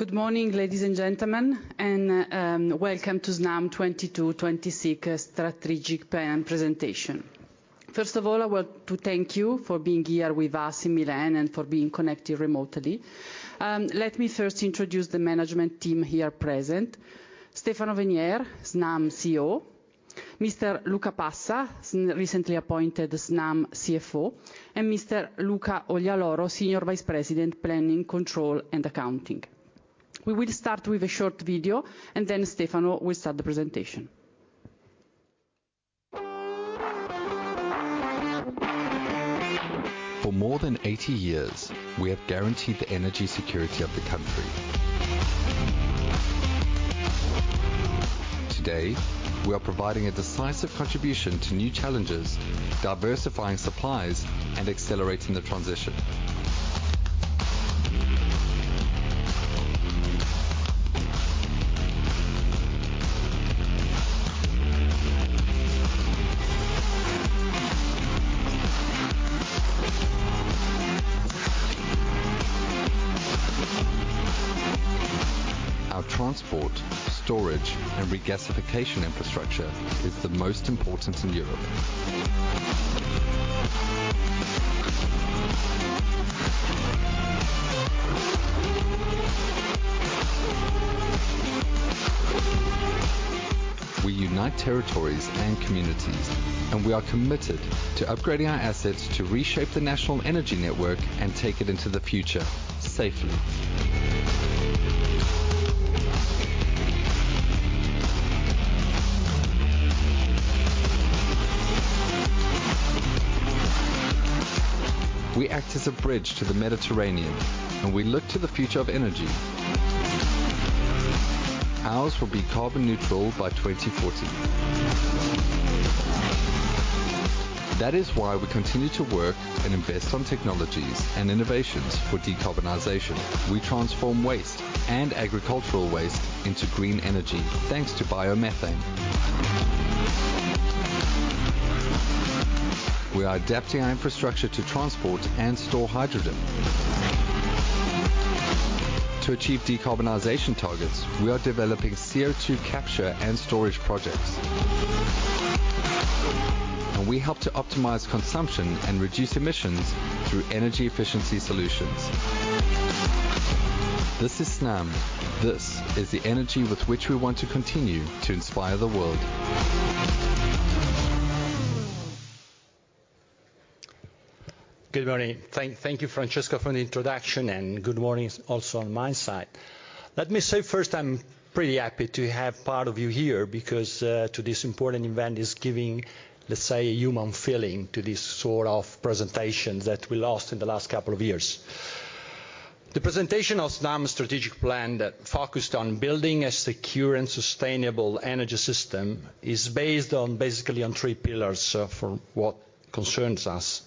Good morning, ladies and gentlemen, and welcome to Snam 2022-2026 strategic plan presentation. First of all, I want to thank you for being here with us in Milan and for being connected remotely. Let me first introduce the management team here present. Stefano Venier, Snam CEO. Mr. Luca Passa, recently appointed Snam CFO. And Mr. Luca Oglialoro, Senior Vice President, Planning, Control, and Accounting. We will start with a short video, and then Stefano will start the presentation. For more than 80 years, we have guaranteed the energy security of the country. Today, we are providing a decisive contribution to new challenges, diversifying supplies, and accelerating the transition. Our transport, storage, and regasification infrastructure is the most important in Europe. We unite territories and communities, and we are committed to upgrading our assets to reshape the national energy network and take it into the future safely. We act as a bridge to the Mediterranean, and we look to the future of energy. Ours will be carbon neutral by 2040. That is why we continue to work and invest on technologies and innovations for decarbonization. We transform waste and agricultural waste into green energy, thanks to biomethane. We are adapting our infrastructure to transport and store hydrogen. To achieve decarbonization targets, we are developing CO2 capture and storage projects. We help to optimize consumption and reduce emissions through energy efficiency solutions. This is Snam. This is the energy with which we want to continue to inspire the world. Good morning. Thank you, Francesca, for the introduction. Good morning also on my side. Let me say first, I'm pretty happy to have part of you here because to this important event is giving, let's say, a human feeling to this sort of presentation that we lost in the last couple of years. The presentation of Snam strategic plan that focused on building a secure and sustainable energy system is based on, basically, on three pillars for what concerns us,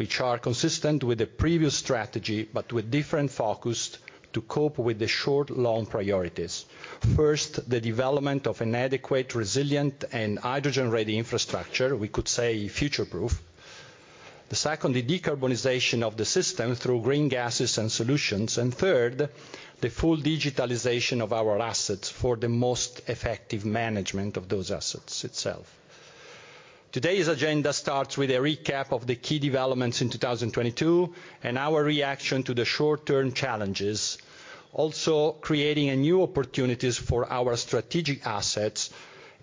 which are consistent with the previous strategy, with different focus to cope with the short, long priorities. First, the development of an adequate, resilient, and hydrogen-ready infrastructure, we could say future-proof. The second, the decarbonization of the system through green gases and solutions. Third, the full digitalization of our assets for the most effective management of those assets itself. Today's agenda starts with a recap of the key developments in 2022 and our reaction to the short-term challenges, also creating a new opportunities for our strategic assets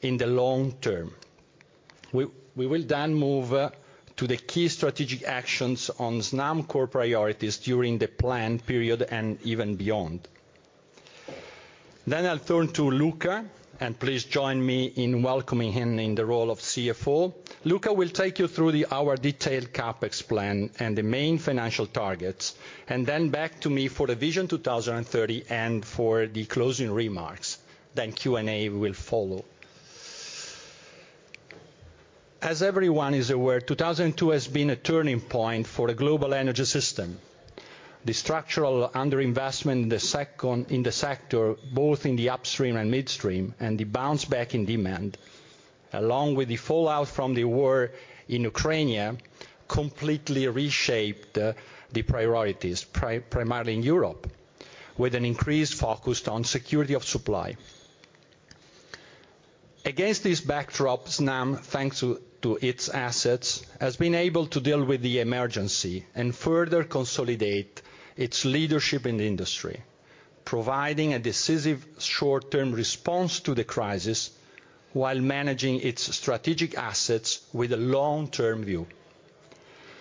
in the long term. We will then move to the key strategic actions on Snam core priorities during the plan period and even beyond. I'll turn to Luca, and please join me in welcoming him in the role of CFO. Luca will take you through our detailed CapEx plan and the main financial targets, and then back to me for the vision 2030 and for the closing remarks. Q&A will follow. As everyone is aware, 2002 has been a turning point for the global energy system. The structural underinvestment in the sector, both in the upstream and midstream, and the bounce back in demand, along with the fallout from the war in Ukraine, completely reshaped the priorities primarily in Europe, with an increased focus on security of supply. Against this backdrop, Snam, thanks to its assets, has been able to deal with the emergency and further consolidate its leadership in the industry, providing a decisive short-term response to the crisis while managing its strategic assets with a long-term view.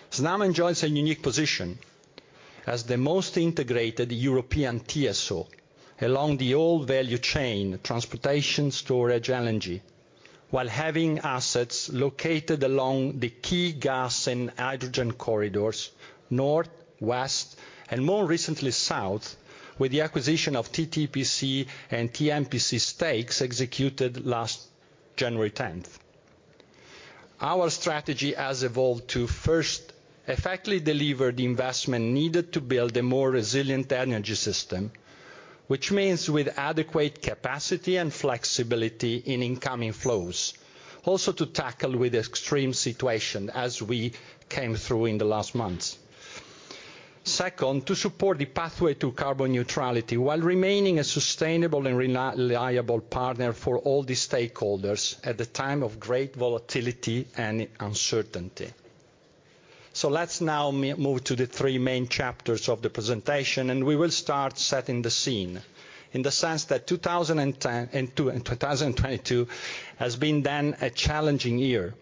Snam enjoys a unique position as the most integrated European TSO along the old value chain, transportation, storage, LNG, while having assets located along the key gas and hydrogen corridors, north, west, and more recently, south, with the acquisition of TTPC and TMPC stakes executed last January 10th. Our strategy has evolved to first effectively deliver the investment needed to build a more resilient energy system. Which means with adequate capacity and flexibility in incoming flows. Also to tackle with extreme situation as we came through in the last months. Second, to support the pathway to carbon neutrality while remaining a sustainable and reliable partner for all the stakeholders at the time of great volatility and uncertainty. Let's now move to the three main chapters of the presentation, and we will start setting the scene, in the sense that 2022 has been then a challenging year.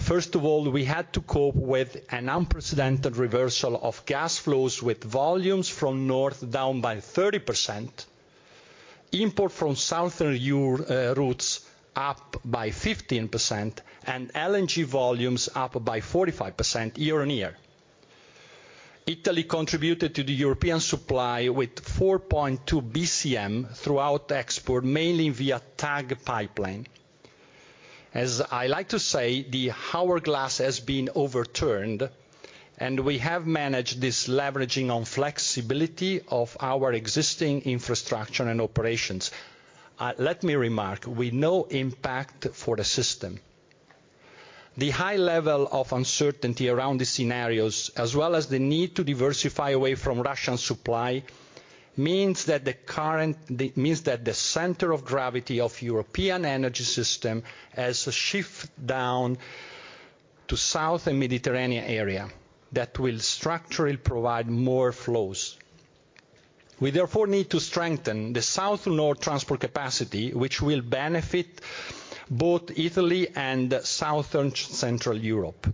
First of all, we had to cope with an unprecedented reversal of gas flows with volumes from north down by 30%, import from southern routes up by 15%, and LNG volumes up by 45% year-over-year. Italy contributed to the European supply with 4.2 BCM throughout export, mainly via TAG pipeline. As I like to say, the hourglass has been overturned, and we have managed this leveraging on flexibility of our existing infrastructure and operations. Let me remark, with no impact for the system. The high level of uncertainty around the scenarios, as well as the need to diversify away from Russian supply, means that the center of gravity of European energy system has to shift down to south and Mediterranean area that will structurally provide more flows. We therefore need to strengthen the south and north transport capacity, which will benefit both Italy and southern-central Europe.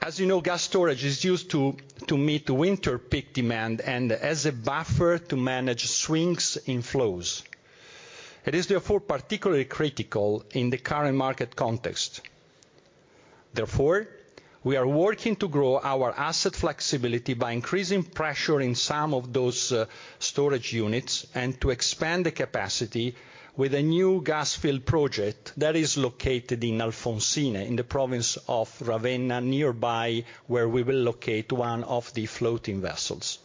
As you know, gas storage is used to meet winter peak demand and as a buffer to manage swings in flows. It is therefore particularly critical in the current market context. We are working to grow our asset flexibility by increasing pressure in some of those storage units and to expand the capacity with a new gas field project that is located in Alfonsine, in the province of Ravenna, nearby where we will locate one of the floating vessels.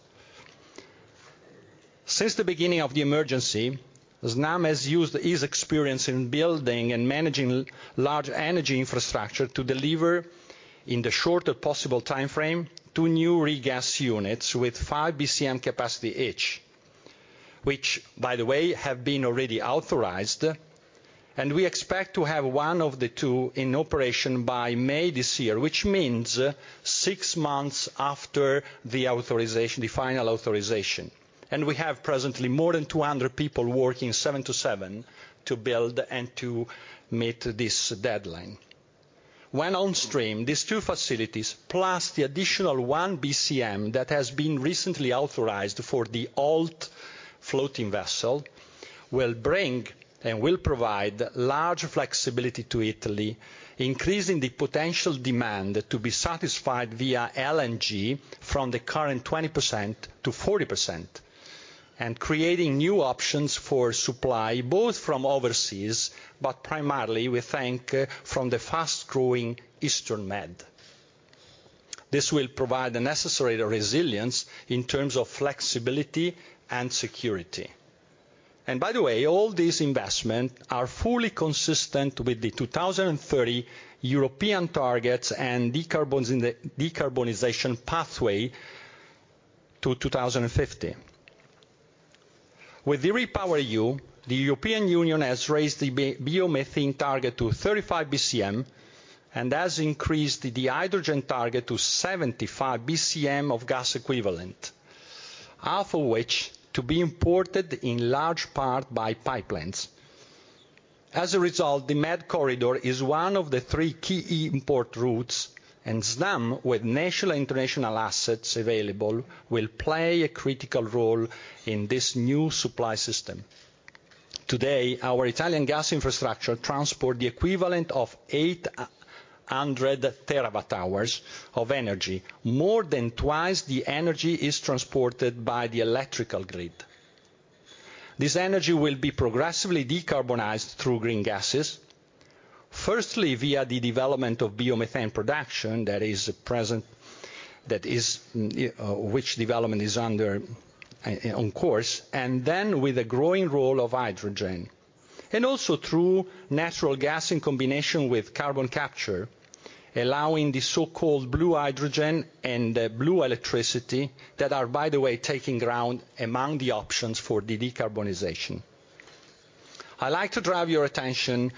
Since the beginning of the emergency, Snam has used his experience in building and managing large energy infrastructure to deliver, in the shortest possible timeframe, two new regas units with 5 BCM capacity each, which by the way, have been already authorized. We expect to have one of the two in operation by May this year, which means six months after the authorization, the final authorization. We have presently more than 200 people working seven to seven to build and to meet this deadline. When on stream, these two facilities, plus the additional 1 BCM that has been recently authorized for the Alt floating vessel, will bring and will provide large flexibility to Italy, increasing the potential demand to be satisfied via LNG from the current 20% to 40%, and creating new options for supply, both from overseas, but primarily we think from the fast-growing Eastern Med. This will provide the necessary resilience in terms of flexibility and security. By the way, all these investment are fully consistent with the 2030 European targets and decarbonization pathway to 2050. With the REPowerEU, the European Union has raised the biomethane target to 35 BCM and has increased the hydrogen target to 75 BCM of gas equivalent, half of which to be imported in large part by pipelines. The Med Corridor is one of the three key import routes, and Snam, with national and international assets available, will play a critical role in this new supply system. Today, our Italian gas infrastructure transport the equivalent of 800 terawatt hours of energy, more than twice the energy is transported by the electrical grid. This energy will be progressively decarbonized through green gases. Via the development of biomethane production that is present, that is, which development is under on course, and then with the growing role of hydrogen. Also through natural gas in combination with carbon capture, allowing the so-called blue hydrogen and blue electricity that are, by the way, taking ground among the options for the decarbonization. I like to drive your attention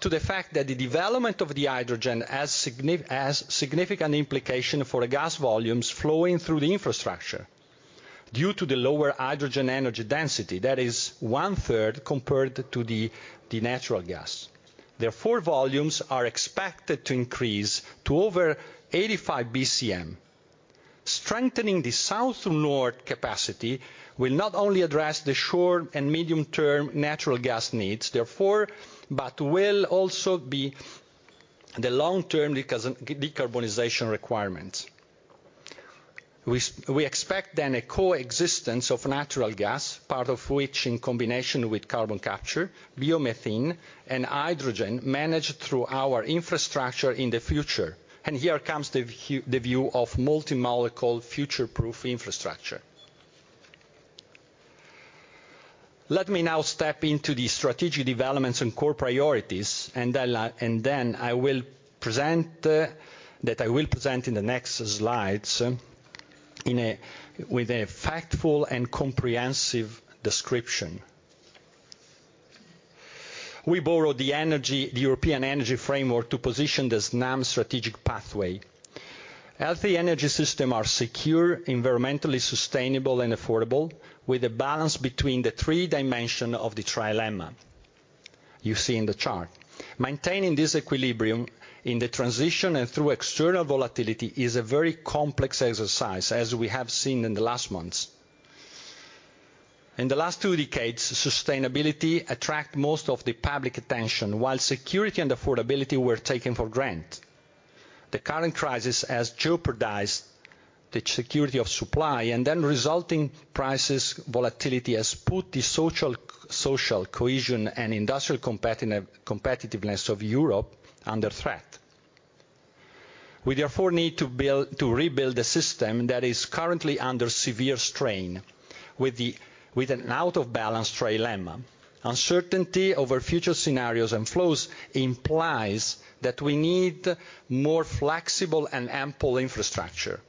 to the fact that the development of the hydrogen has. Has significant implication for the gas volumes flowing through the infrastructure due to the lower hydrogen energy density that is one-third compared to the natural gas. Volumes are expected to increase to over 85 BCM. Strengthening the South and North capacity will not only address the short and medium-term natural gas needs, but will also be the long-term decarbonization requirements. We expect then a coexistence of natural gas, part of which in combination with carbon capture, biomethane and hydrogen managed through our infrastructure in the future. Here comes the view of multi-molecule future-proof infrastructure. Let me now step into the strategic developments and core priorities, and then I will present that I will present in the next slides, with a factual and comprehensive description. We borrow the European energy framework to position the Snam strategic pathway. As the energy system are secure, environmentally sustainable and affordable, with a balance between the three dimension of the trilemma. You see in the chart. Maintaining this equilibrium in the transition and through external volatility is a very complex exercise, as we have seen in the last months. In the last two decades, sustainability attract most of the public attention, while security and affordability were taken for granted. The current crisis has jeopardized the security of supply, and then resulting prices volatility has put the social cohesion and industrial competitiveness of Europe under threat. We therefore need to rebuild the system that is currently under severe strain with an out-of-balance trilemma. Uncertainty over future scenarios and flows implies that we need more flexible and ample infrastructure.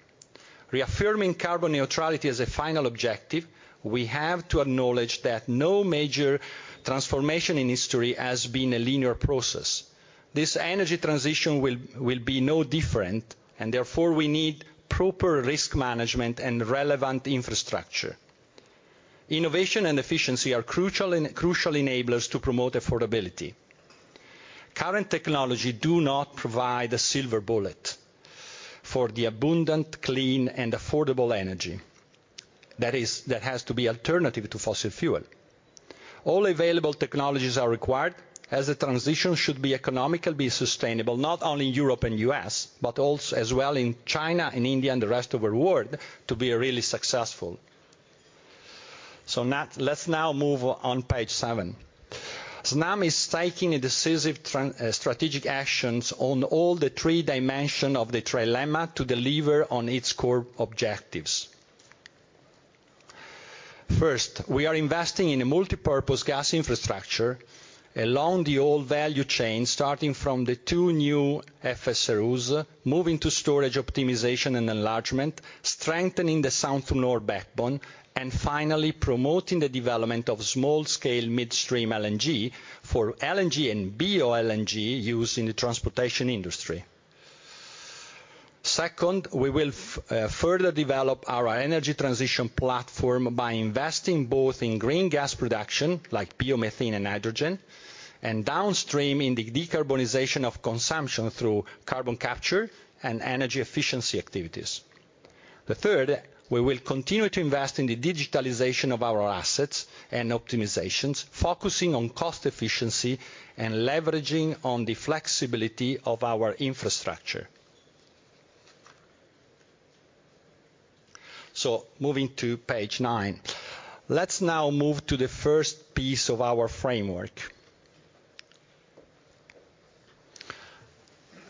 Reaffirming carbon neutrality as a final objective, we have to acknowledge that no major transformation in history has been a linear process. This energy transition will be no different. Therefore, we need proper risk management and relevant infrastructure. Innovation and efficiency are crucial enablers to promote affordability. Current technology do not provide a silver bullet for the abundant, clean and affordable energy that has to be alternative to fossil fuel. All available technologies are required as the transition should be economical, be sustainable, not only in Europe and U.S., but as well in China and India and the rest of the world to be really successful. Now, let's now move on page seven. Snam is taking a decisive strategic actions on all the three dimension of the trilemma to deliver on its core objectives. First, we are investing in a multipurpose gas infrastructure along the old value chain, starting from the two new FSRUs, moving to storage optimization and enlargement, strengthening the south to north backbone, and finally promoting the development of small-scale midstream LNG for LNG and biomethane used in the transportation industry. Second, we will further develop our energy transition platform by investing both in green gas production, like biomethane and hydrogen, and downstream in the decarbonization of consumption through carbon capture and energy efficiency activities. The third, we will continue to invest in the digitalization of our assets and optimizations, focusing on cost efficiency and leveraging on the flexibility of our infrastructure. Moving to page nine. Let's now move to the first piece of our framework.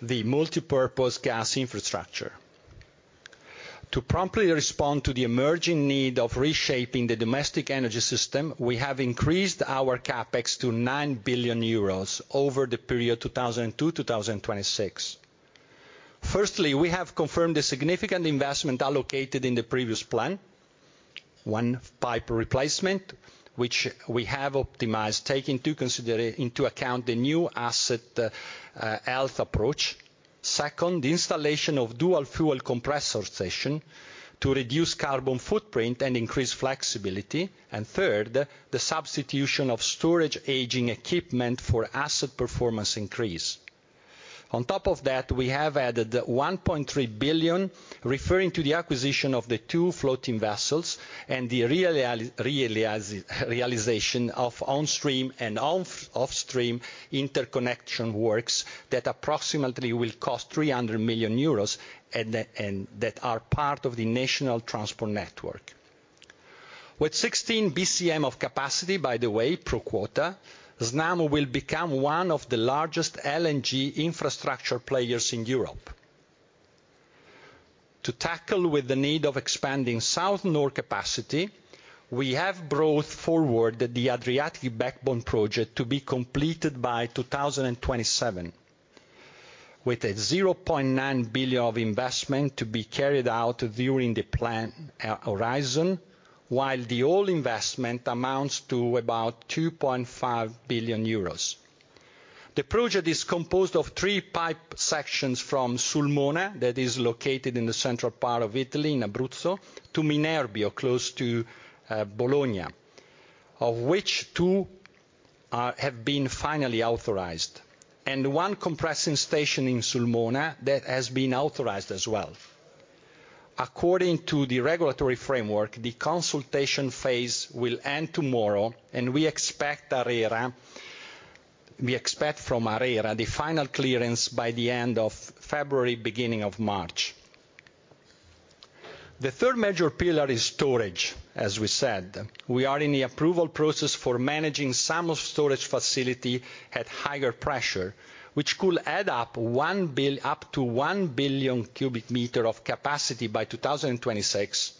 The multipurpose gas infrastructure. To promptly respond to the emerging need of reshaping the domestic energy system, we have increased our CapEx to 9 billion euros over the period 2002-2026. Firstly, we have confirmed a significant investment allocated in the previous plan. One, pipe replacement, which we have optimized, taking into account the new asset health approach. Second, the installation of dual fuel compressor station to reduce carbon footprint and increase flexibility. Third, the substitution of storage aging equipment for asset performance increase. On top of that, we have added 1.3 billion, referring to the acquisition of the two floating vessels and the realization of on stream and off stream interconnection works that approximately will cost 300 million euros and that are part of the national transport network. With 16 BCM of capacity, by the way, pro quota, Snam will become one of the largest LNG infrastructure players in Europe. To tackle with the need of expanding south north capacity, we have brought forward the Adriatic Backbone Project to be completed by 2027, with a 0.9 billion of investment to be carried out during the plan horizon, while the all investment amounts to about 2.5 billion euros. The project is composed of three pipe sections from Sulmona, that is located in the central part of Italy, in Abruzzo, to Minerbio, close to Bologna, of which two have been finally authorized, and one compressing station in Sulmona that has been authorized as well. According to the regulatory framework, the consultation phase will end tomorrow, and we expect from ARERA the final clearance by the end of February, beginning of March. The third major pillar is storage, as we said. We are in the approval process for managing some of storage facility at higher pressure, which could add up to 1 billion cubic meter of capacity by 2026,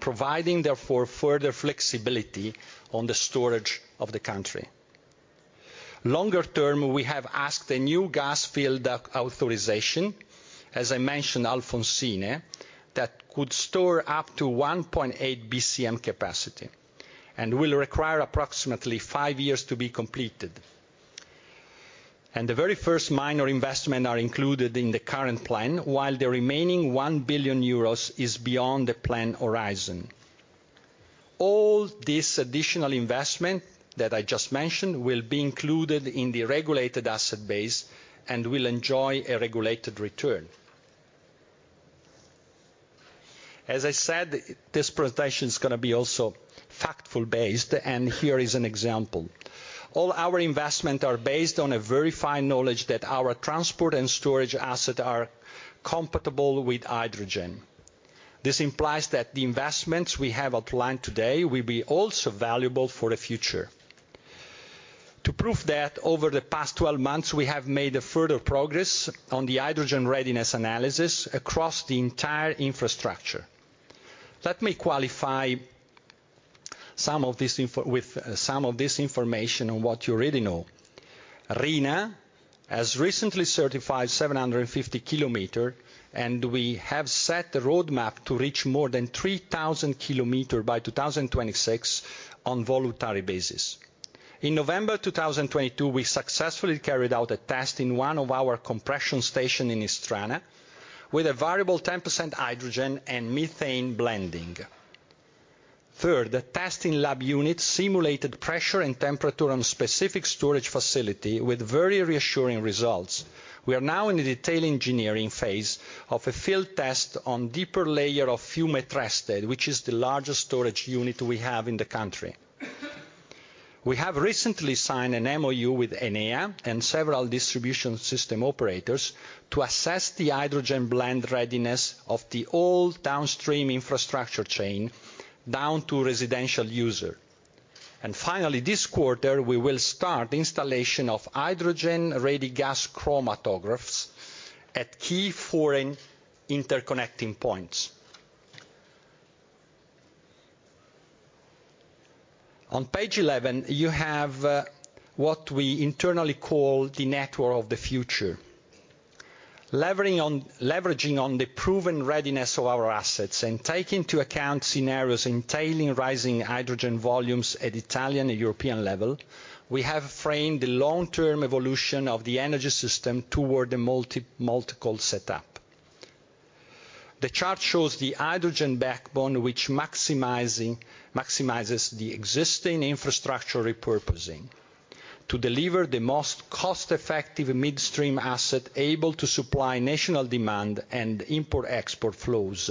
providing therefore further flexibility on the storage of the country. Longer term, we have asked a new gas field authorization, as I mentioned, Alfonsine, that could store up to 1.8 BCM capacity, and will require approximately five years to be completed. The very first minor investment are included in the current plan, while the remaining 1 billion euros is beyond the plan horizon. All this additional investment that I just mentioned will be included in the regulated asset base and will enjoy a regulated return. As I said, this presentation is gonna be also factful based, and here is an example. All our investment are based on a very fine knowledge that our transport and storage asset are compatible with hydrogen. This implies that the investments we have outlined today will be also valuable for the future. To prove that, over the past 12 months, we have made a further progress on the hydrogen readiness analysis across the entire infrastructure. Let me qualify with some of this information on what you already know. RINA has recently certified 750 km, and we have set the roadmap to reach more than 3,000 km by 2026 on voluntary basis. In November 2022, we successfully carried out a test in one of our compression station in Istrana, with a variable 10% hydrogen and methane blending. The testing lab unit simulated pressure and temperature on specific storage facility with very reassuring results. We are now in the detail engineering phase of a field test on deeper layer of Fiume Treste, which is the largest storage unit we have in the country. We have recently signed an MoU with ENEA and several distribution system operators to assess the hydrogen blend readiness of the old downstream infrastructure chain down to residential user. Finally, this quarter, we will start installation of hydrogen-ready gas chromatographs at key foreign interconnecting points. On page 11, you have what we internally call the network of the future. Leveraging on the proven readiness of our assets and taking into account scenarios entailing rising hydrogen volumes at Italian and European level, we have framed the long-term evolution of the energy system toward a multiple setup. The chart shows the hydrogen backbone which maximizes the existing infrastructure repurposing to deliver the most cost-effective midstream asset able to supply national demand and import-export flows,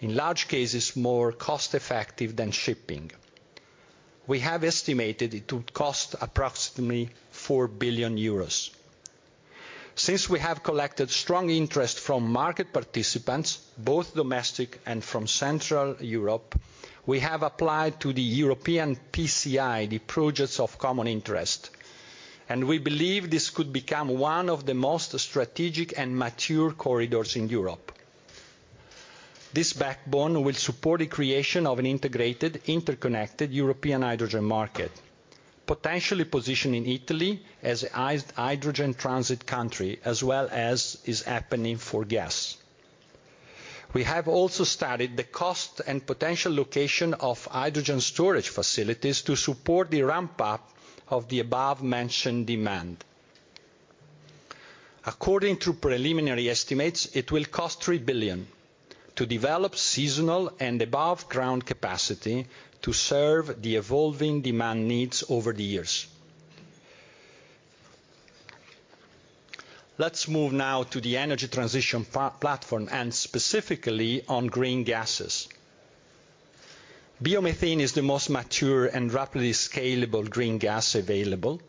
in large cases, more cost-effective than shipping. We have estimated it would cost approximately 4 billion euros. Since we have collected strong interest from market participants, both domestic and from Central Europe, we have applied to the European PCI, the Projects of Common Interest. We believe this could become one of the most strategic and mature corridors in Europe. This backbone will support the creation of an integrated, interconnected European hydrogen market, potentially positioning Italy as a hydrogen transit country, as well as is happening for gas. We have also studied the cost and potential location of hydrogen storage facilities to support the ramp up of the above-mentioned demand. According to preliminary estimates, it will cost 3 billion to develop seasonal and aboveground capacity to serve the evolving demand needs over the years. Let's move now to the energy transition platform, and specifically on green gases. Biomethane is the most mature and rapidly scalable green gas available.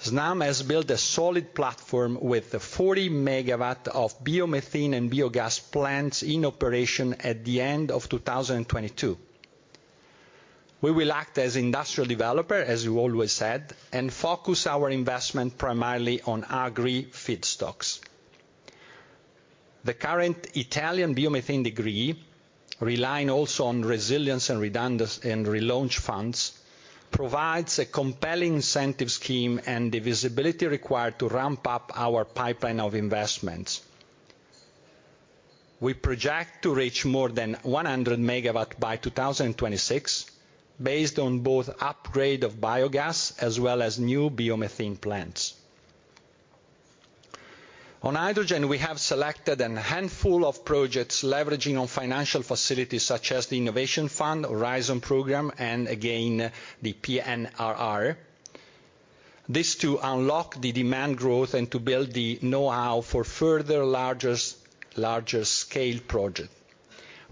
Snam has built a solid platform with a 40 MW of biomethane and biogas plants in operation at the end of 2022. We will act as industrial developer, as we always said, and focus our investment primarily on agri-feedstocks. The current Italian biomethane decree, relying also on resilience and redundancy and relaunch funds, provides a compelling incentive scheme and the visibility required to ramp up our pipeline of investments. We project to reach more than 100 MW by 2026, based on both upgrade of biogas as well as new biomethane plants. On hydrogen, we have selected a handful of projects leveraging on financial facilities such as the Innovation Fund, Horizon Europe program, and again, the PNRR. This to unlock the demand growth and to build the know-how for further larger scale project,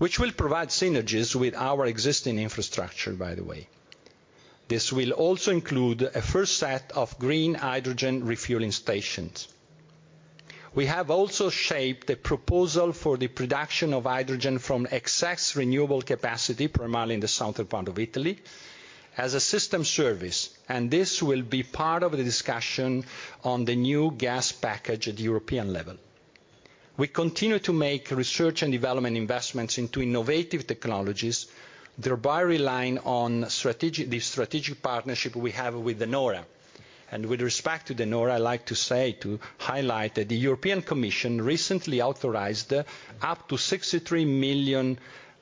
which will provide synergies with our existing infrastructure, by the way. This will also include a first set of green hydrogen refueling stations. We have also shaped a proposal for the production of hydrogen from excess renewable capacity, primarily in the southern part of Italy, as a system service. This will be part of the discussion on the new gas package at European level. We continue to make research and development investments into innovative technologies, thereby relying on the strategic partnership we have with De Nora. With respect to De Nora, I'd like to say to highlight that the European Commission recently authorized up to 63 million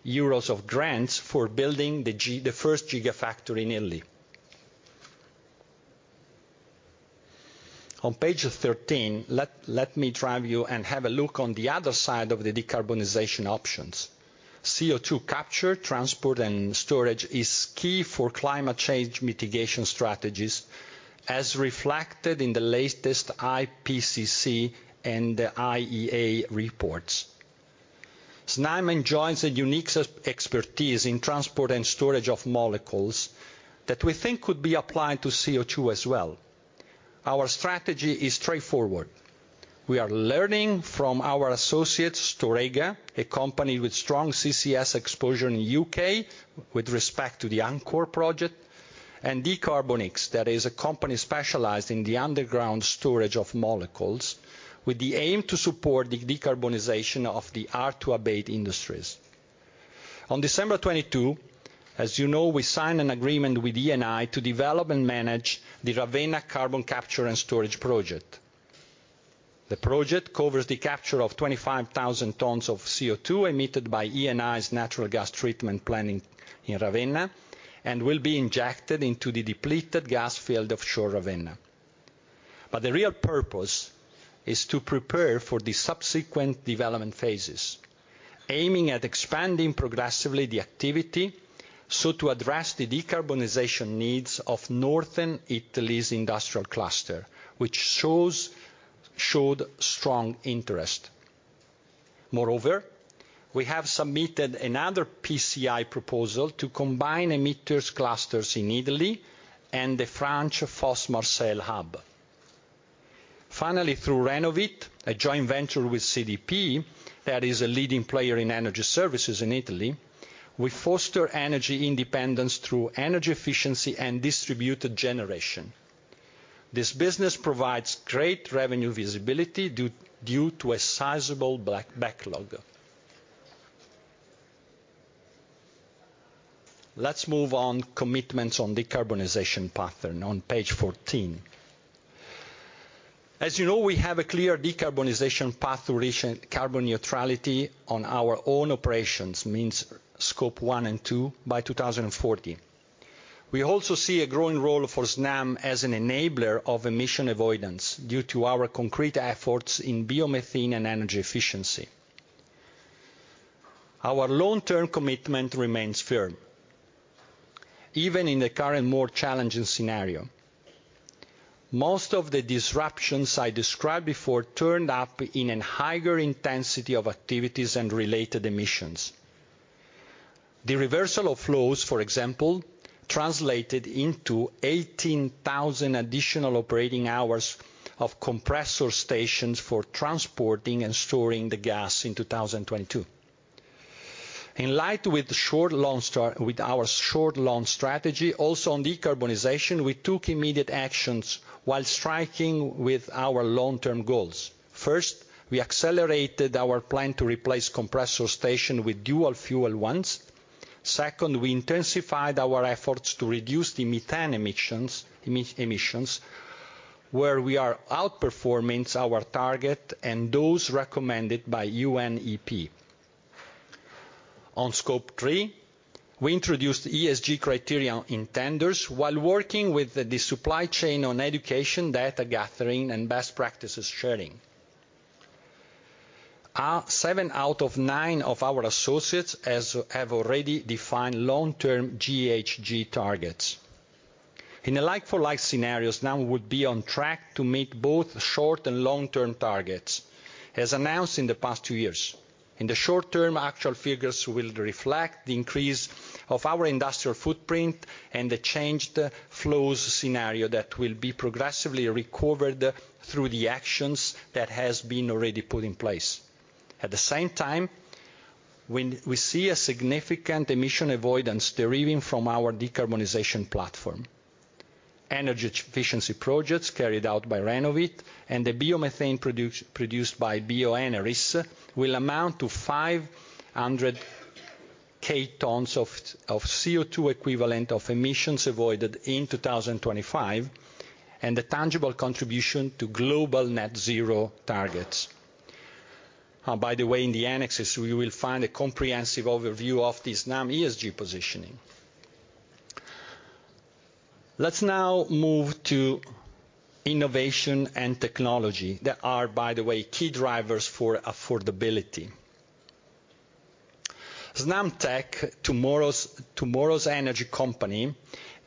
euros of grants for building the first gigafactory in Italy. On page 13, let me drive you and have a look on the other side of the decarbonization options. CO₂ capture, transport, and storage is key for climate change mitigation strategies, as reflected in the latest IPCC and IEA reports. Snam enjoys a unique expertise in transport and storage of molecules that we think could be applied to CO₂ as well. Our strategy is straightforward. We are learning from our associates, Storegga, a company with strong CCS exposure in UK with respect to the Acorn Project, and dCarbonX, that is a company specialized in the underground storage of molecules, with the aim to support the decarbonization of the hard-to-abate industries. On December 22, as you know, we signed an agreement with Eni to develop and manage the Ravenna Carbon Capture and Storage Project. The project covers the capture of 25,000 tons of CO₂ emitted by Eni's natural gas treatment plant in Ravenna, and will be injected into the depleted gas field offshore Ravenna. The real purpose is to prepare for the subsequent development phases, aiming at expanding progressively the activity so to address the decarbonization needs of Northern Italy's industrial cluster, which showed strong interest. We have submitted another PCI proposal to combine emitters clusters in Italy and the French Fos-Marseille hub. Through Renovit, a joint venture with CDP, that is a leading player in energy services in Italy, we foster energy independence through energy efficiency and distributed generation. This business provides great revenue visibility due to a sizable black backlog. Let's move on commitments on decarbonization pattern on page 14. As you know, we have a clear decarbonization path to reach carbon neutrality on our own operations, means Scope one and two, by 2040. We also see a growing role for Snam as an enabler of emission avoidance due to our concrete efforts in biomethane and energy efficiency. Our long-term commitment remains firm, even in the current more challenging scenario. Most of the disruptions I described before turned up in an higher intensity of activities and related emissions. The reversal of flows, for example, translated into 18,000 additional operating hours of compressor stations for transporting and storing the gas in 2022. In light with short, with our short, long strategy also on decarbonization, we took immediate actions while striking with our long-term goals. First, we accelerated our plan to replace compressor station with dual fuel ones. Second, we intensified our efforts to reduce the methane emissions, where we are outperforming our target and those recommended by UNEP. On Scope three, we introduced ESG criterion in tenders while working with the supply chain on education, data gathering, and best practices sharing. Our seven out of nine of our associates have already defined long-term GHG targets. In a like for like scenarios, Snam would be on track to meet both short and long-term targets, as announced in the past two years. In the short term, actual figures will reflect the increase of our industrial footprint and the changed flows scenario that will be progressively recovered through the actions that has been already put in place. At the same time, when we see a significant emission avoidance deriving from our decarbonization platform. Energy efficiency projects carried out by Renovit and the biomethane produced by BioEnerys will amount to 500 k tons of CO₂ equivalent of emissions avoided in 2025, and a tangible contribution to global net zero targets. By the way, in the annexes, you will find a comprehensive overview of the Snam ESG positioning. Let's now move to innovation and technology that are, by the way, key drivers for affordability. Snamtec, tomorrow's energy company,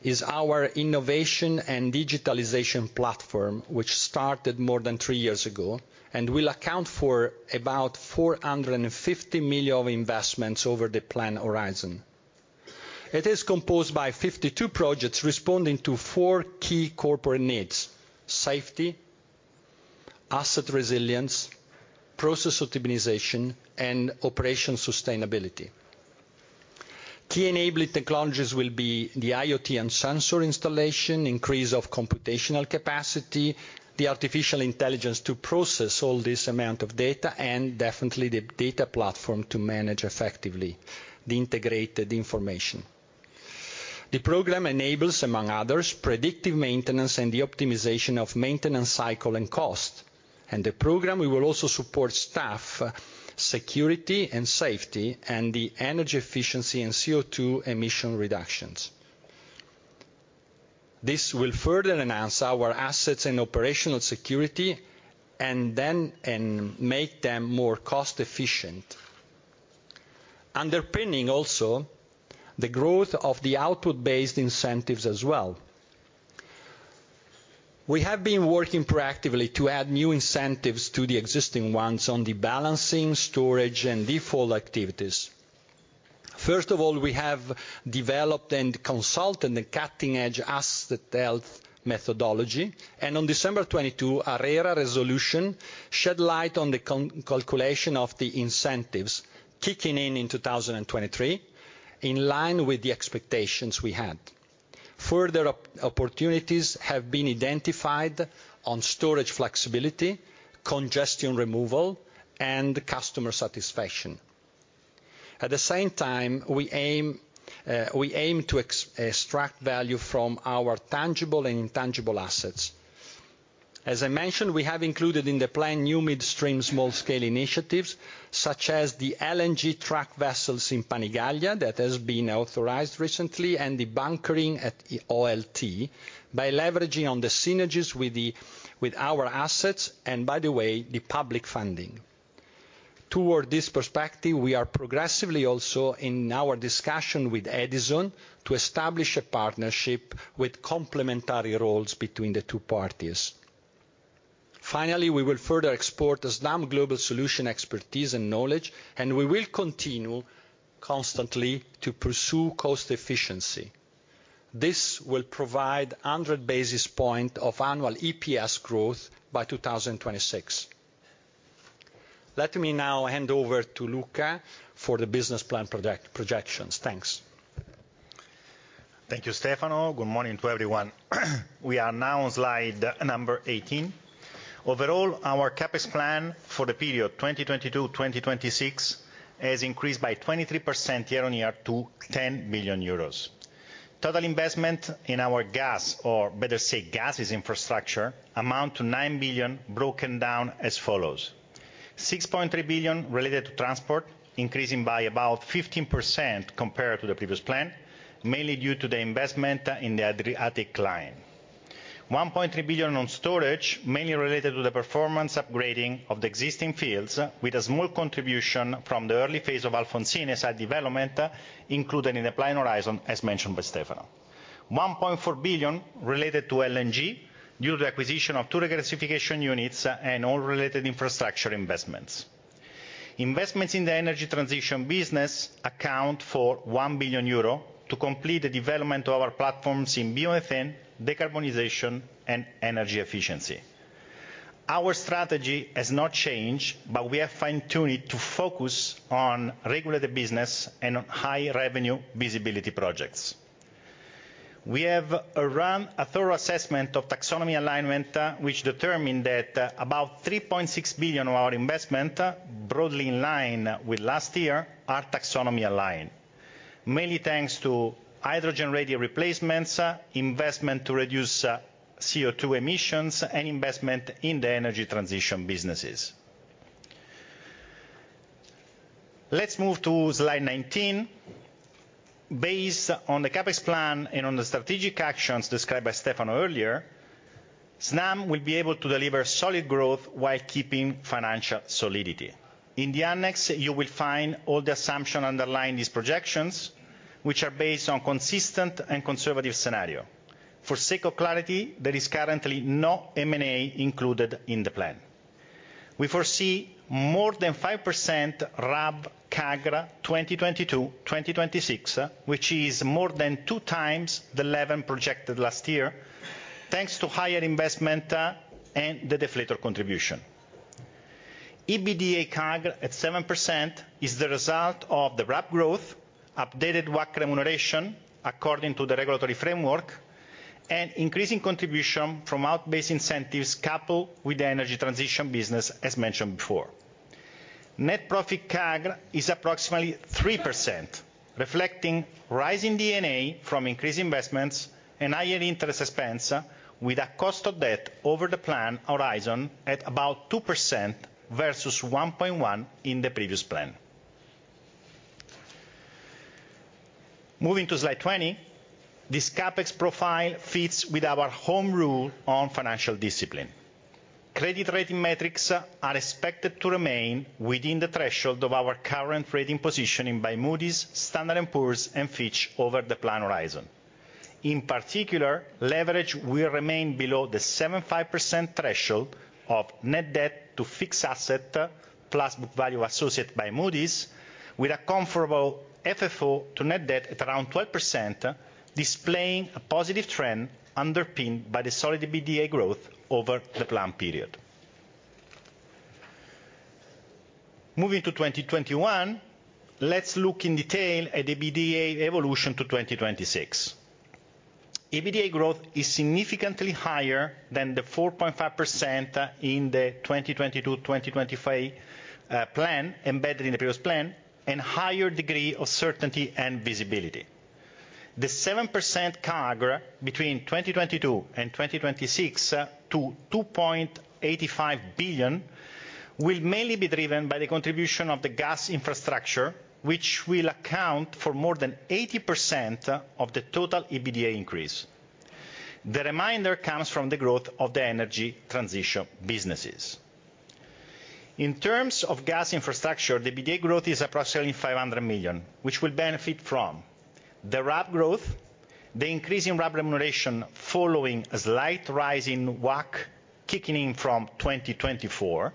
is our innovation and digitalization platform, which started more than three years ago and will account for about 450 million of investments over the plan horizon. It is composed by 52 projects responding to four key corporate needs: safety, asset resilience, process optimization, and operation sustainability. Key enabling technologies will be the IoT and sensor installation, increase of computational capacity, the artificial intelligence to process all this amount of data, and definitely the data platform to manage effectively the integrated information. The program enables, among others, predictive maintenance and the optimization of maintenance cycle and cost. The program will also support staff security and safety and the energy efficiency and CO₂ emission reductions. This will further enhance our assets and operational security and make them more cost efficient, underpinning also the growth of the output-based incentives as well. We have been working proactively to add new incentives to the existing ones on the balancing, storage, and default activities. First of all, we have developed and consulted the cutting-edge asset health methodology. On December 22, our error resolution shed light on the calculation of the incentives, kicking in in 2023, in line with the expectations we had. Further opportunities have been identified on storage flexibility, congestion removal, and customer satisfaction. At the same time, we aim to extract value from our tangible and intangible assets. As I mentioned, we have included in the plan new midstream small scale initiatives, such as the LNG track vessels in Panigaglia that has been authorized recently, and the bunkering at OLT, by leveraging on the synergies with our assets, and by the way, the public funding. Toward this perspective, we are progressively also in our discussion with Edison to establish a partnership with complementary roles between the two parties. Finally, we will further export the Snam Global Solutions expertise and knowledge, and we will continue constantly to pursue cost efficiency. This will provide 100 basis points of annual EPS growth by 2026. Let me now hand over to Luca Passa for the business plan projections. Thanks. Thank you, Stefano. Good morning to everyone. We are now on slide number 18. Overall, our CapEx plan for the period 2022, 2026 has increased by 23% year-on-year to 10 billion euros. Total investment in our gas, or better said, gases infrastructure amount to 9 billion broken down as follows: 6.3 billion related to transport, increasing by about 15% compared to the previous plan, mainly due to the investment in the Adriatic Line. 1.3 billion on storage, mainly related to the performance upgrading of the existing fields, with a small contribution from the early phase of Alfonsine site development included in the planned horizon, as mentioned by Stefano. 1.4 billion related to LNG, due to acquisition of two regasification units and all related infrastructure investments. Investments in the energy transition business account for 1 billion euro to complete the development of our platforms in biomethane, decarbonization, and energy efficiency. Our strategy has not changed, but we are fine-tuning to focus on regulated business and high revenue visibility projects. We have run a thorough assessment of taxonomy alignment, which determined that about 3.6 billion of our investment, broadly in line with last year, are taxonomy aligned, mainly thanks to hydrogen-ready replacements, investment to reduce CO₂ emissions, and investment in the energy transition businesses. Let's move to slide 19. Based on the CapEx plan and on the strategic actions described by Stefano earlier, Snam will be able to deliver solid growth while keeping financial solidity. In the annex, you will find all the assumption underlying these projections, which are based on consistent and conservative scenario. For sake of clarity, there is currently no M&A included in the plan. We foresee more than 5% RAB CAGR 2022-2026, which is more than two times the level projected last year, thanks to higher investment and the deflator contribution. EBITDA CAGR at 7% is the result of the RAB growth, updated WACC remuneration according to the regulatory framework, and increasing contribution from out-based incentives coupled with the energy transition business, as mentioned before. Net profit CAGR is approximately 3%, reflecting rising D&A from increased investments and higher interest expense, with a cost of debt over the plan horizon at about 2% versus 1.1% in the previous plan. Moving to slide 20. This CapEx profile fits with our home rule on financial discipline. Credit rating metrics are expected to remain within the threshold of our current rating position by Moody's, Standard & Poor's, and Fitch over the plan horizon. Leverage will remain below the 75% threshold of net debt to fixed asset plus book value associated by Moody's, with a comfortable FFO to net debt at around 12%, displaying a positive trend underpinned by the solid EBITDA growth over the plan period. Moving to 2021, let's look in detail at EBITDA evolution to 2026. EBITDA growth is significantly higher than the 4.5% in the 2020-2025 plan, embedded in the previous plan, and higher degree of certainty and visibility. The 7% CAGR between 2022 and 2026 to 2.85 billion will mainly be driven by the contribution of the gas infrastructure, which will account for more than 80% of the total EBITDA increase. The remainder comes from the growth of the energy transition businesses. In terms of gas infrastructure, the EBITDA growth is approximately 500 million, which will benefit from the RAB growth, the increase in RAB remuneration following a slight rise in WACC kicking in from 2024,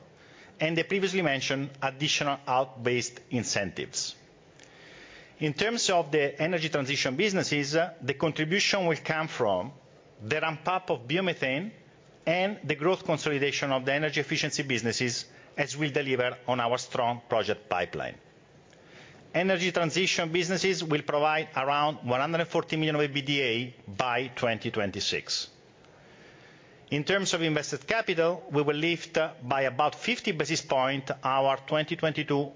and the previously mentioned additional out-based incentives. In terms of the energy transition businesses, the contribution will come from the ramp-up of biomethane and the growth consolidation of the energy efficiency businesses as we deliver on our strong project pipeline. Energy transition businesses will provide around 140 million of EBITDA by 2026. In terms of invested capital, we will lift by about 50 basis points our 2022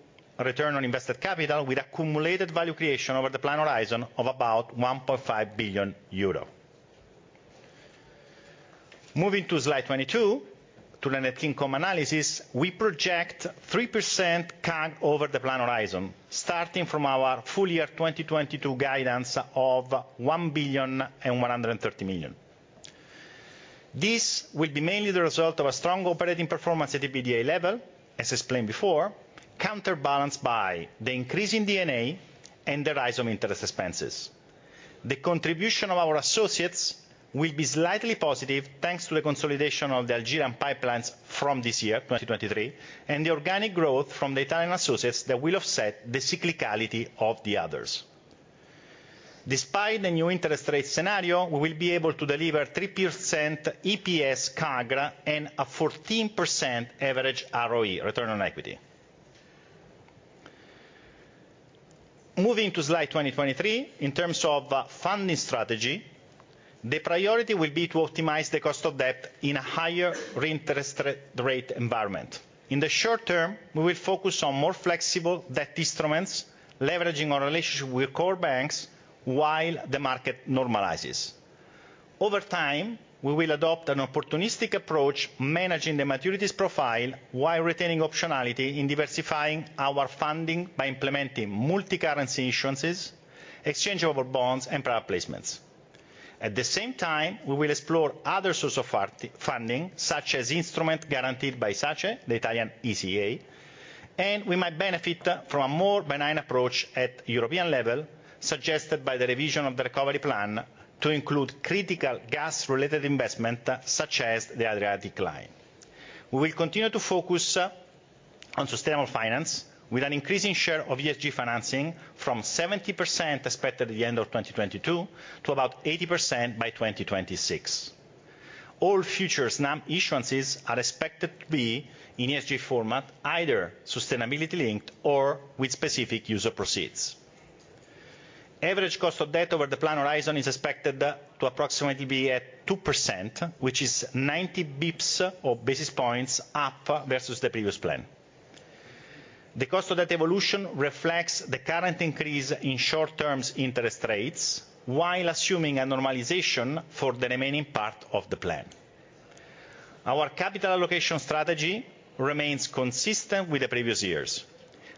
return on invested capital with accumulated value creation over the plan horizon of about 1.5 billion euro. Moving to slide 22, to the net income analysis, we project 3% CAGR over the plan horizon, starting from our full year 2022 guidance of 1.13 billion. This will be mainly the result of a strong operating performance at EBITDA level, as explained before, counterbalanced by the increase in D&A and the rise of interest expenses. The contribution of our associates will be slightly positive, thanks to the consolidation of the Algerian pipelines from this year, 2023, and the organic growth from the Italian associates that will offset the cyclicality of the others. Despite the new interest rate scenario, we will be able to deliver 3% EPS CAGR and a 14% average ROE, return on equity. Moving to slide 2023, in terms of funding strategy, the priority will be to optimize the cost of debt in a higher interest rate environment. In the short term, we will focus on more flexible debt instruments, leveraging our relationship with core banks while the market normalizes. Over time, we will adopt an opportunistic approach, managing the maturities profile while retaining optionality in diversifying our funding by implementing multi-currency insurances, exchange of our bonds, and private placements. At the same time, we will explore other source of funding, such as instrument guaranteed by SACE, the Italian ECA. We might benefit from a more benign approach at European level suggested by the revision of the recovery plan to include critical gas-related investment, such as the Adriatic Line. We will continue to focus on sustainable finance with an increasing share of ESG financing from 70% expected at the end of 2022 to about 80% by 2026. All future Snam insurances are expected to be in ESG format, either sustainability linked or with specific user proceeds. Average cost of debt over the plan horizon is expected to approximately be at 2%, which is 90 bips or basis points up versus the previous plan. The cost of debt evolution reflects the current increase in short-term interest rates, while assuming a normalization for the remaining part of the plan. Our capital allocation strategy remains consistent with the previous years.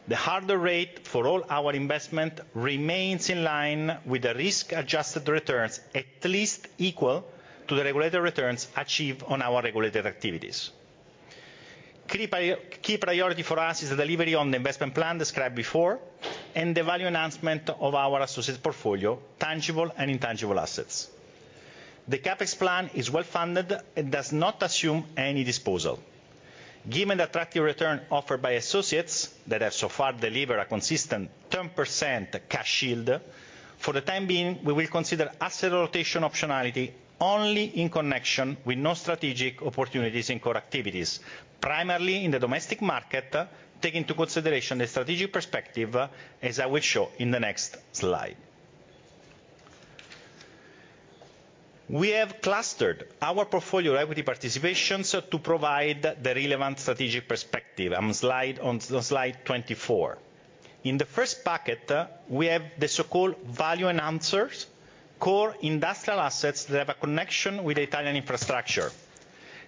The hurdle rate for all our investment remains in line with the risk-adjusted returns, at least equal to the regulated returns achieved on our regulated activities. Key priority for us is the delivery on the investment plan described before and the value enhancement of our associate portfolio, tangible and intangible assets. The CapEx plan is well-funded and does not assume any disposal. Given the attractive return offered by associates that have so far delivered a consistent 10% cash yield, for the time being, we will consider asset rotation optionality only in connection with no strategic opportunities in core activities, primarily in the domestic market, take into consideration the strategic perspective, as I will show in the next slide. We have clustered our portfolio equity participations to provide the relevant strategic perspective on slide 24. In the first bucket, we have the so-called value enhancers, core industrial assets that have a connection with Italian infrastructure.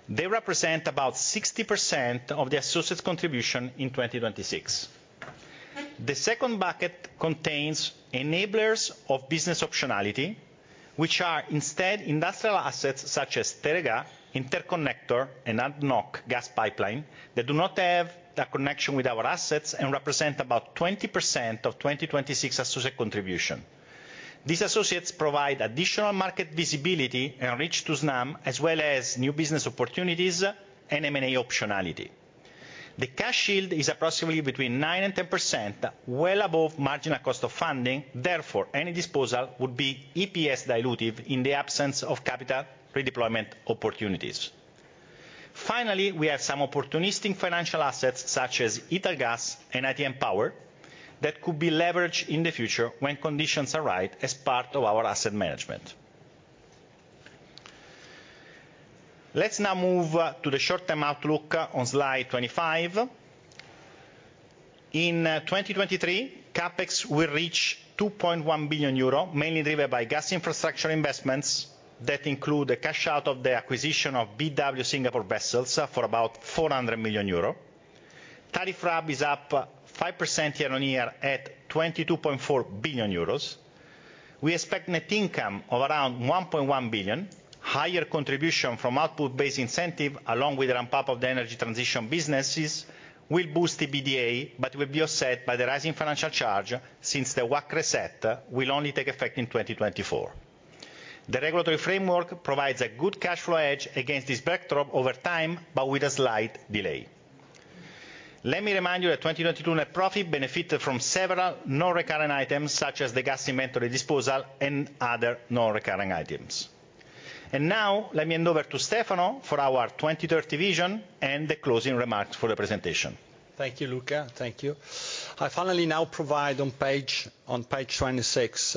They represent about 60% of the associates contribution in 2026. The second bucket contains enablers of business optionality, which are instead industrial assets such as Teréga, Interconnector and ADNOC Gas Pipelines, that do not have the connection with our assets and represent about 20% of 2026 associate contribution. These associates provide additional market visibility and reach to Snam, as well as new business opportunities and M&A optionality. The cash yield is approximately between 9% and 10%, well above marginal cost of funding. Therefore, any disposal would be EPS dilutive in the absence of capital redeployment opportunities. Finally, we have some opportunistic financial assets, such as Italgas and ITM Power, that could be leveraged in the future when conditions are right as part of our asset management. Let's now move to the short-term outlook on slide 25. In 2023, CapEx will reach 2.1 billion euro, mainly driven by gas infrastructure investments that include a cash out of the acquisition of BW Singapore vessels for about 400 million euro. Tariff RAB is up 5% year-on-year at 22.4 billion euros. We expect net income of around 1.1 billion. Higher contribution from output-based incentive, along with the ramp-up of the energy transition businesses, will boost the EBITDA, but will be offset by the rising financial charge, since the WACC reset will only take effect in 2024. The regulatory framework provides a good cash flow edge against this backdrop over time, but with a slight delay. Let me remind you that 2022 net profit benefited from several non-recurring items, such as the gas inventory disposal and other non-recurring items. Now let me hand over to Stefano for our 2030 vision and the closing remarks for the presentation. Thank you, Luca. Thank you. I finally now provide on page 26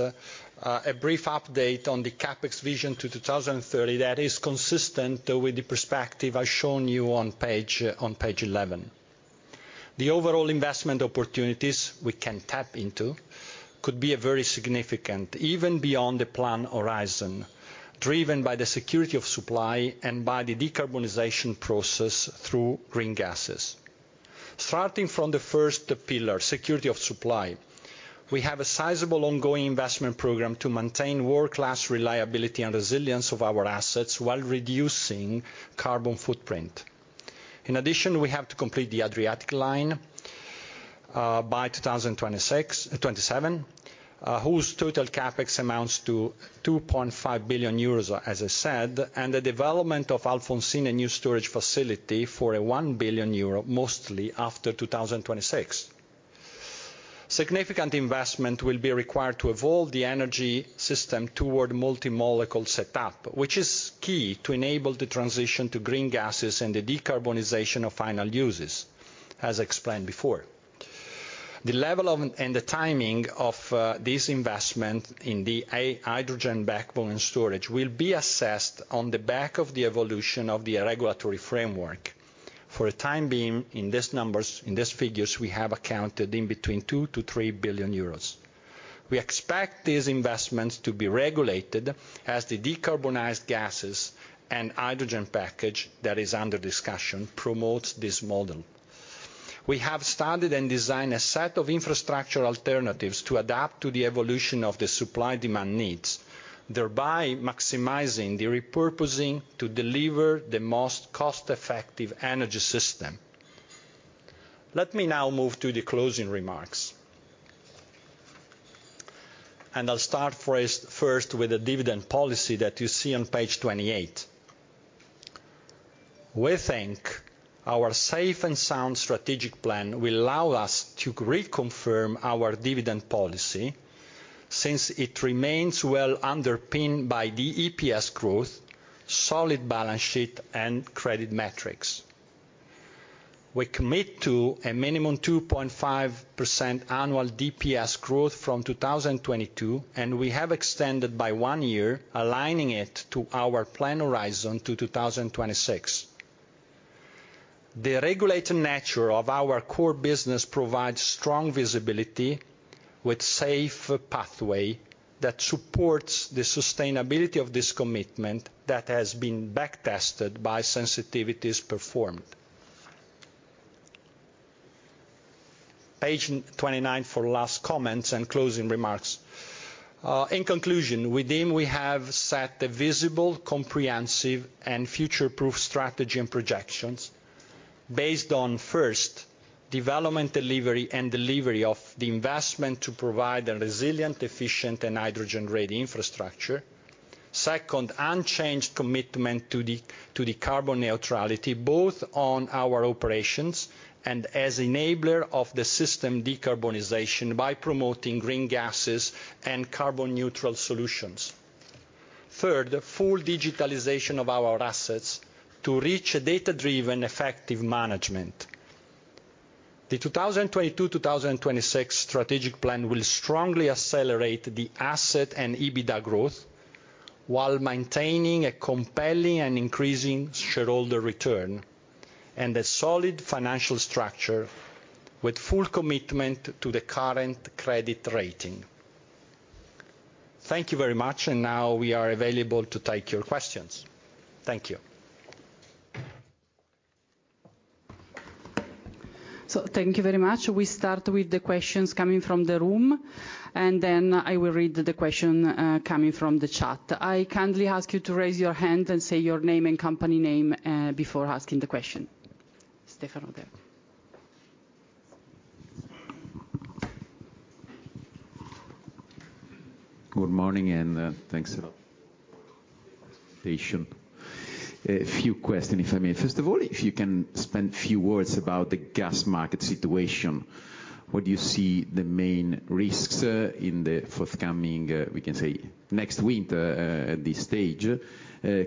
a brief update on the CapEx vision to 2030 that is consistent with the perspective I've shown you on page 11. The overall investment opportunities we can tap into could be very significant, even beyond the plan horizon, driven by the security of supply and by the decarbonization process through green gases. Starting from the first pillar, security of supply, we have a sizable ongoing investment program to maintain world-class reliability and resilience of our assets while reducing carbon footprint. We have to complete the Adriatic Line by 2026-2027, whose total CapEx amounts to 2.5 billion euros, as I said, and the development of Alfonsine new storage facility for a 1 billion euro, mostly after 2026. Significant investment will be required to evolve the energy system toward multi-molecule setup, which is key to enable the transition to green gases and the decarbonization of final uses, as explained before. The level of and the timing of this investment in the hydrogen backbone and storage will be assessed on the back of the evolution of the regulatory framework. For the time being, in this numbers, in this figures, we have accounted in between 2 billion-3 billion euros. We expect these investments to be regulated as the decarbonized gases and hydrogen package that is under discussion promotes this model. We have started and designed a set of infrastructure alternatives to adapt to the evolution of the supply-demand needs, thereby maximizing the repurposing to deliver the most cost-effective energy system. Let me now move to the closing remarks. I'll start first with the dividend policy that you see on page 28. We think our safe and sound strategic plan will allow us to reconfirm our dividend policy, since it remains well-underpinned by the EPS growth, solid balance sheet, and credit metrics. We commit to a minimum 2.5% annual DPS growth from 2022, and we have extended by one year, aligning it to our plan horizon to 2026. The regulated nature of our core business provides strong visibility with safe pathway that supports the sustainability of this commitment that has been back-tested by sensitivities performed. Page 29 for last comments and closing remarks. In conclusion, within we have set the visible, comprehensive, and future-proof strategy and projections based on, first, development, and delivery of the investment to provide a resilient, efficient, and hydrogen-ready infrastructure. Second, unchanged commitment to the carbon neutrality, both on our operations and as enabler of the system decarbonization by promoting green gases and carbon neutral solutions. Third, full digitalization of our assets to reach a data-driven effective management. The 2022-2026 strategic plan will strongly accelerate the asset and EBITDA growth while maintaining a compelling and increasing shareholder return, a solid financial structure with full commitment to the current credit rating. Thank you very much. Now we are available to take your questions. Thank you. Thank you very much. We start with the questions coming from the room, and then I will read the question coming from the chat. I kindly ask you to raise your hand and say your name and company name before asking the question. Stefano there. Good morning. Thanks a lot. A few questions, if I may. First of all, if you can spend a few words about the gas market situation. What do you see the main risks in the forthcoming, we can say, next winter, at this stage,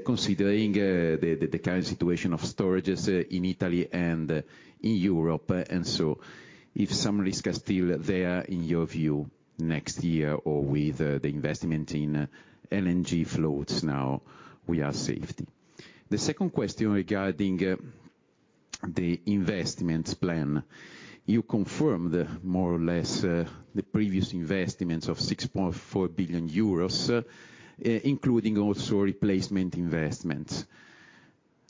considering the current situation of storages in Italy and in Europe. If some risks are still there in your view next year or with the investment in LNG floats now we are safe. The second question regarding the investments plan. You confirmed more or less the previous investments of 6.4 billion euros, including also replacement investments.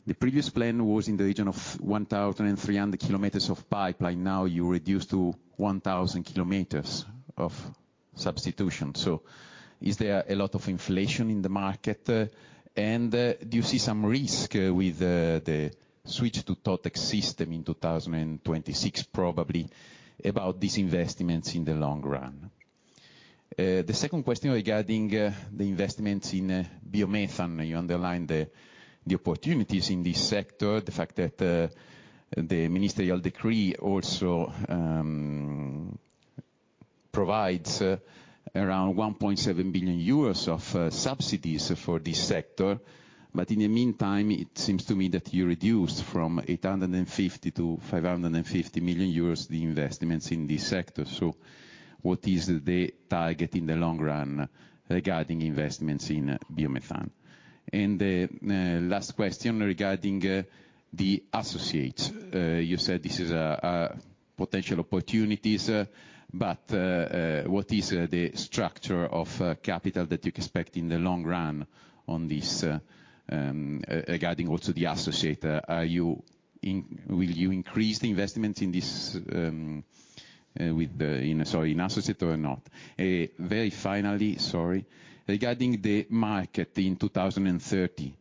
The previous plan was in the region of 1,300 km of pipeline, now you reduce to 1,000 km of substitution. Is there a lot of inflation in the market? Do you see some risk with the switch to Totex system in 2026 probably about these investments in the long run? The second question regarding the investments in biomethane. You underlined the opportunities in this sector, the fact that the ministerial decree also provides around 1.7 billion euros of subsidies for this sector. In the meantime, it seems to me that you reduced from 850 million to 550 million euros the investments in this sector. What is the target in the long run regarding investments in biomethane? Last question regarding the associates. You said this is potential opportunities, but what is the structure of capital that you expect in the long run on this regarding also the associate? Will you increase the investment in this with the, in, sorry, in associate or not? Very finally, sorry, regarding the market in 2030.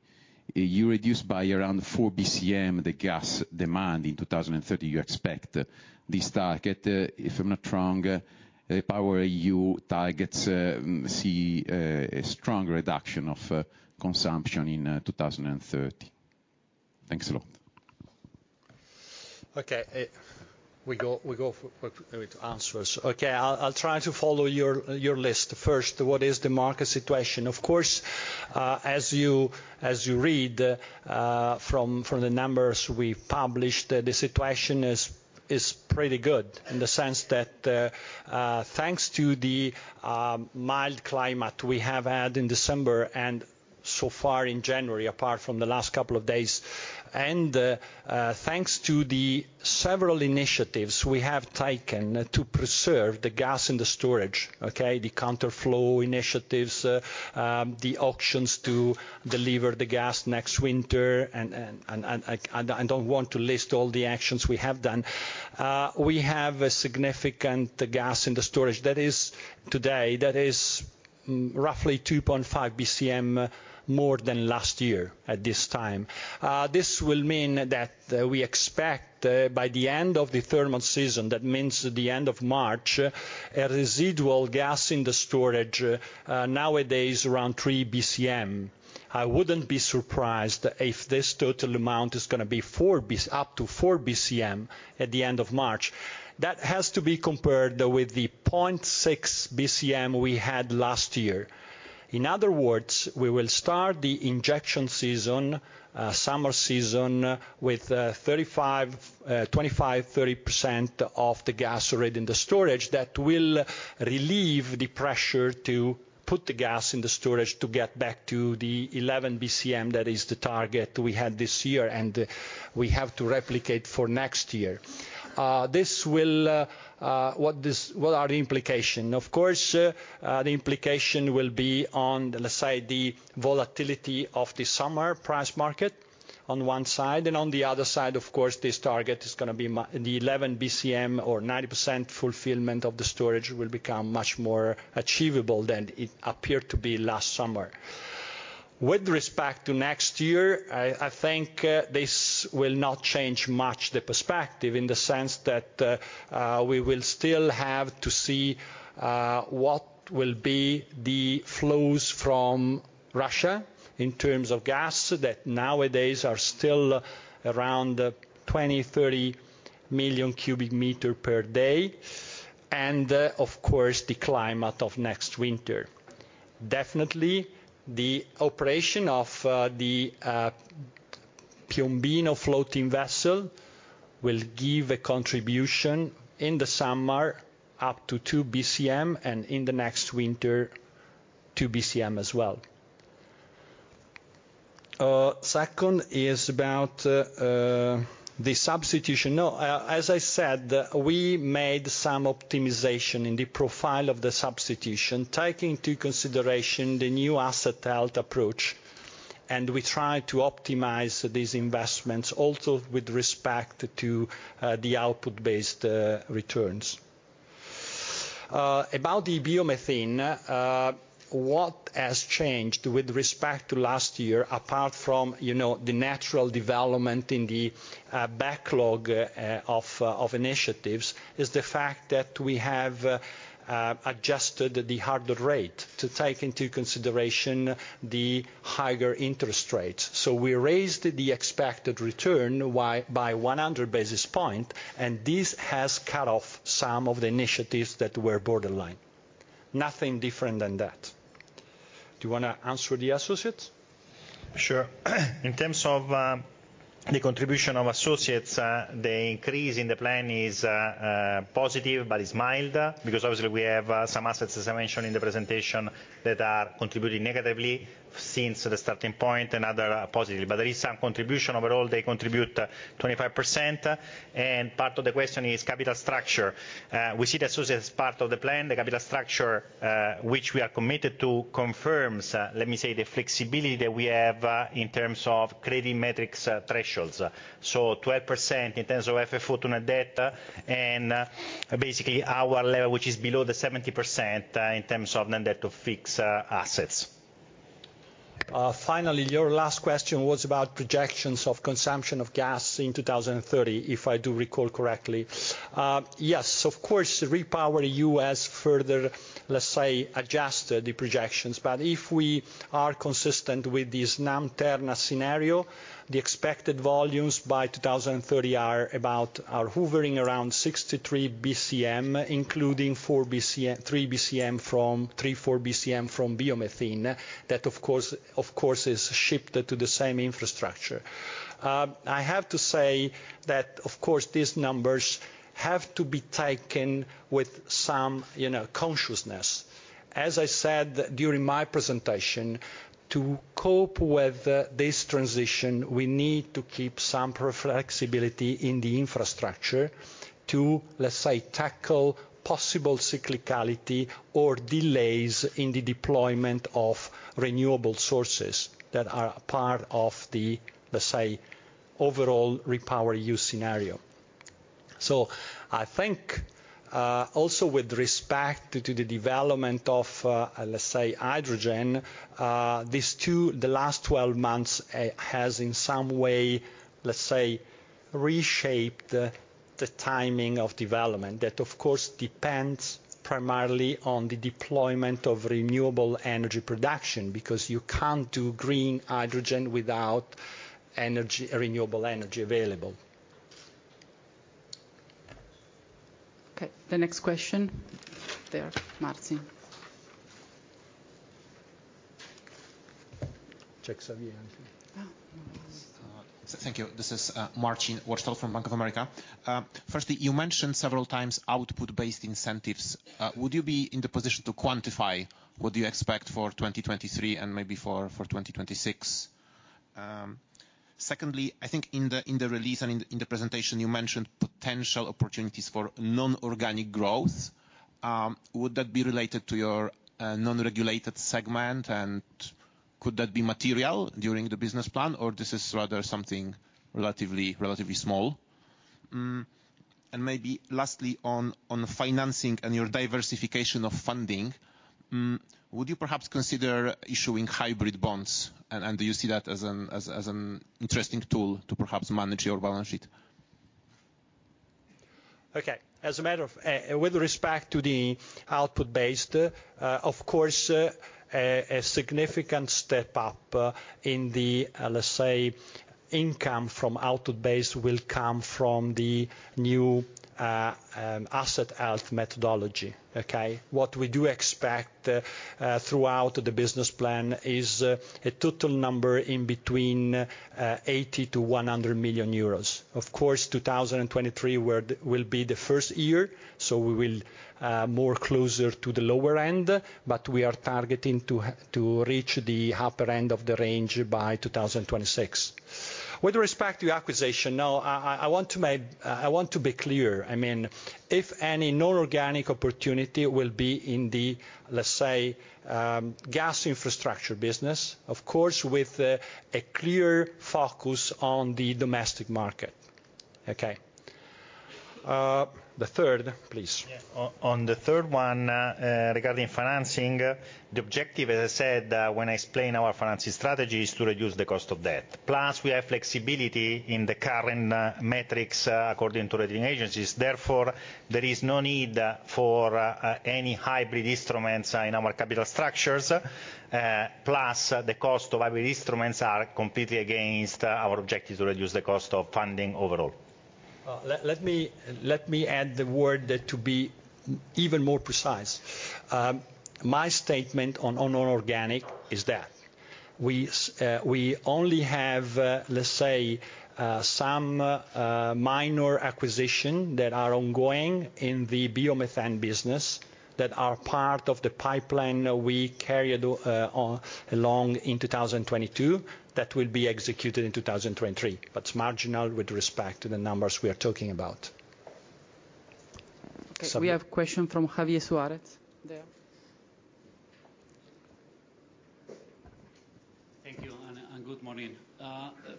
You reduced by around 4 BCM the gas demand in 2030. You expect this target, if I'm not wrong, REPowerEU targets see a strong reduction of consumption in 2030. Thanks a lot. Okay. We go with answers. Okay. I'll try to follow your list. First, what is the market situation? Of course, as you read from the numbers we published, the situation is pretty good in the sense that thanks to the mild climate we have had in December and so far in January, apart from the last couple of days, and thanks to the several initiatives we have taken to preserve the gas in the storage, okay? The counter flow initiatives, the auctions to deliver the gas next winter and I don't want to list all the actions we have done. We have a significant gas in the storage. That is, today, roughly 2.5 BCM more than last year at this time. This will mean that we expect by the end of the thermal season, that means the end of March, a residual gas in the storage nowadays around 3 BCM. I wouldn't be surprised if this total amount is gonna be up to 4 BCM at the end of March. That has to be compared with the 0.6 BCM we had last year. In other words, we will start the injection season, summer season, with 35%, 25%, 30% of the gas already in the storage. That will relieve the pressure to put the gas in the storage to get back to the 11 BCM that is the target we had this year, and we have to replicate for next year. This will, what are the implication? Of course, the implication will be on, let's say, the volatility of the summer price market on one side. On the other side, of course, this target is gonna be the 11 BCM or 90% fulfillment of the storage will become much more achievable than it appeared to be last summer. With respect to next year, I think, this will not change much the perspective in the sense that, we will still have to see, what will be the flows from Russia in terms of gas that nowadays are still around, 20, 30 million cubic meter per day. Of course, the climate of next winter. Definitely the operation of the Piombino floating vessel will give a contribution in the summer up to 2 BCM, and in the next winter, 2 BCM as well. Second is about the substitution. No, as I said, we made some optimization in the profile of the substitution, taking into consideration the new asset health approach, and we try to optimize these investments also with respect to the output-based returns. About the biomethane, what has changed with respect to last year apart from, you know, the natural development in the backlog of initiatives, is the fact that we have adjusted the hurdle rate to take into consideration the higher interest rates. We raised the expected return by 100 basis points, and this has cut off some of the initiatives that were borderline. Nothing different than that. Do you wanna answer the associates? Sure. In terms of the contribution of associates, the increase in the plan is positive, but it's mild, because obviously we have some assets, as I mentioned in the presentation, that are contributing negatively since the starting point and other positive. There is some contribution. Overall, they contribute 25%. Part of the question is capital structure. We see the associates part of the plan. The capital structure, which we are committed to confirms, let me say, the flexibility that we have in terms of creating metrics, thresholds. 12% in terms of FFO to net debt, and basically our level, which is below the 70%, in terms of net debt to fixed assets. Finally, your last question was about projections of consumption of gas in 2030, if I do recall correctly. Yes, of course, REPowerEU further, let's say, adjusted the projections. If we are consistent with this non-term scenario, the expected volumes by 2030 are hovering around 63 BCM, including 3, 4 BCM from biomethane. That of course is shipped to the same infrastructure. I have to say that of course these numbers have to be taken with some, you know, consciousness. As I said during my presentation, to cope with this transition, we need to keep some flexibility in the infrastructure to, let's say, tackle possible cyclicality or delays in the deployment of renewable sources that are a part of the, let's say, overall REPowerEU scenario. I think, also with respect to the development of, let's say, hydrogen, the last 12 months, has in some way, let's say, reshaped the timing of development. That of course depends primarily on the deployment of renewable energy production, because you can't do green hydrogen without renewable energy available. Okay. The next question? There, Martin. Check Javier. Oh. Thank you. This is Marcin Wojtal from Bank of America. Firstly, you mentioned several times output-based incentives. Would you be in the position to quantify what you expect for 2023 and maybe for 2026? Secondly, I think in the release and in the presentation you mentioned potential opportunities for non-organic growth. Would that be related to your non-regulated segment, and could that be material during the business plan, or this is rather something relatively small? Maybe lastly, on the financing and your diversification of funding, would you perhaps consider issuing hybrid bonds? Do you see that as an interesting tool to perhaps manage your balance sheet? Okay. As a matter of with respect to the output based, of course, a significant step up in the, let's say, income from output based will come from the new asset health methodology. Okay? What we do expect throughout the business plan is a total number in between 80 million-100 million euros. Of course, 2023 will be the first year, so we will more closer to the lower end, but we are targeting to reach the upper end of the range by 2026. With respect to acquisition, no, I want to be clear, I mean, if any non-organic opportunity will be in the, let's say, gas infrastructure business, of course with a clear focus on the domestic market. Okay? The third, please. Yeah. On the third one, regarding financing, the objective, as I said, when I explain our financing strategy, is to reduce the cost of debt. Plus we have flexibility in the current metrics, according to rating agencies. Therefore, there is no need for any hybrid instruments in our capital structures. Plus, the cost of hybrid instruments are completely against our objective to reduce the cost of funding overall. Let me add the word that to be even more precise. My statement on organic is that we only have, let's say, some minor acquisition that are ongoing in the biomethane business that are part of the pipeline we carried along in 2022 that will be executed in 2023. That's marginal with respect to the numbers we are talking about. Okay. So we. We have a question from Javier Suarez there. Thank you, and good morning.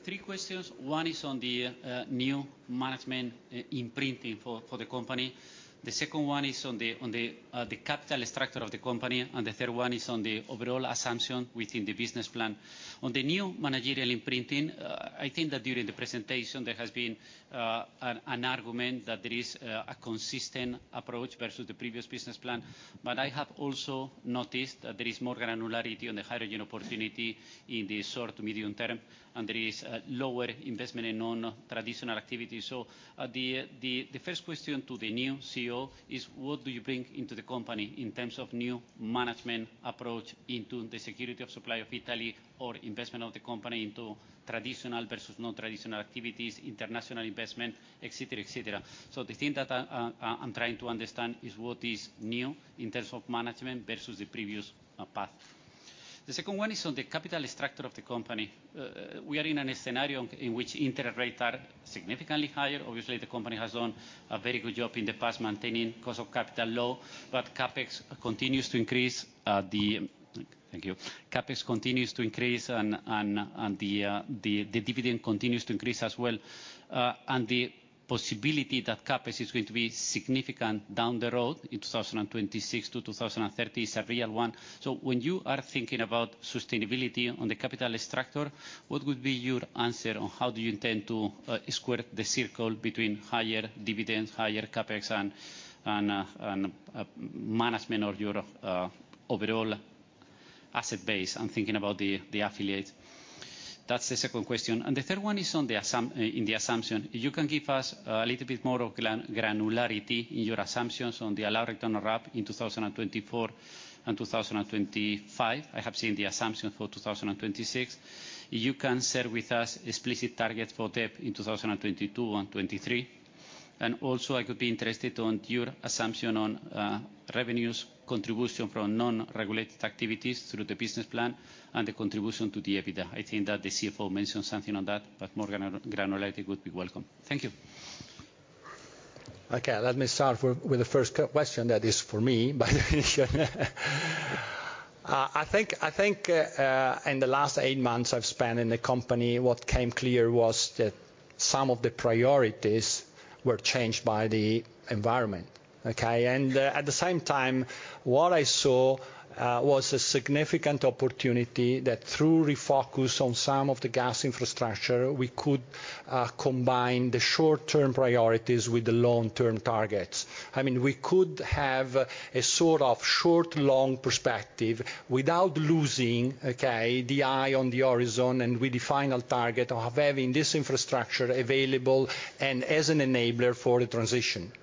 Three questions. One is on the new management imprinting for the company. The second one is on the capital structure of the company. The third one is on the overall assumption within the business plan. On the new managerial imprinting, I think that during the presentation, there has been an argument that there is a consistent approach versus the previous business plan. I have also noticed that there is more granularity on the hydrogen opportunity in the short to medium term, and there is a lower investment in non-traditional activities. The first question to the new CEO is what do you bring into the company in terms of new management approach into the security of supply of Italy or investment of the company into traditional versus non-traditional activities, international investment, et cetera, et cetera? The thing that I'm trying to understand is what is new in terms of management versus the previous path. The second one is on the capital structure of the company. We are in a scenario in which interest rates are significantly higher. Obviously, the company has done a very good job in the past maintaining cost of capital low, but CapEx continues to increase. Thank you. CapEx continues to increase and the dividend continues to increase as well, and the possibility that CapEx is going to be significant down the road in 2026 to 2030 is a real one. When you are thinking about sustainability on the capital structure, what would be your answer on how do you intend to square the circle between higher dividends, higher CapEx and management of your overall asset base? I'm thinking about the affiliates. That's the second question. The third one is on the assumption. You can give us a little bit more granularity in your assumptions on the allowed return on RAB in 2024 and 2025. I have seen the assumption for 2026. You can share with us explicit targets for debt in 2022 and 2023. Also, I could be interested on your assumption on revenues contribution from non-regulated activities through the business plan and the contribution to the EBITDA. I think that the CFO mentioned something on that, but more granularity would be welcome. Thank you. Okay, let me start with the first question that is for me, by the nature. I think, in the last 8 months I've spent in the company, what came clear was that some of the priorities were changed by the environment. Okay? At the same time, what I saw, was a significant opportunity that through refocus on some of the gas infrastructure, we could combine the short-term priorities with the long-term targets. I mean, we could have a sort of short-long perspective without losing, okay, the eye on the horizon and with the final target of having this infrastructure available and as an enabler for the transition. Okay?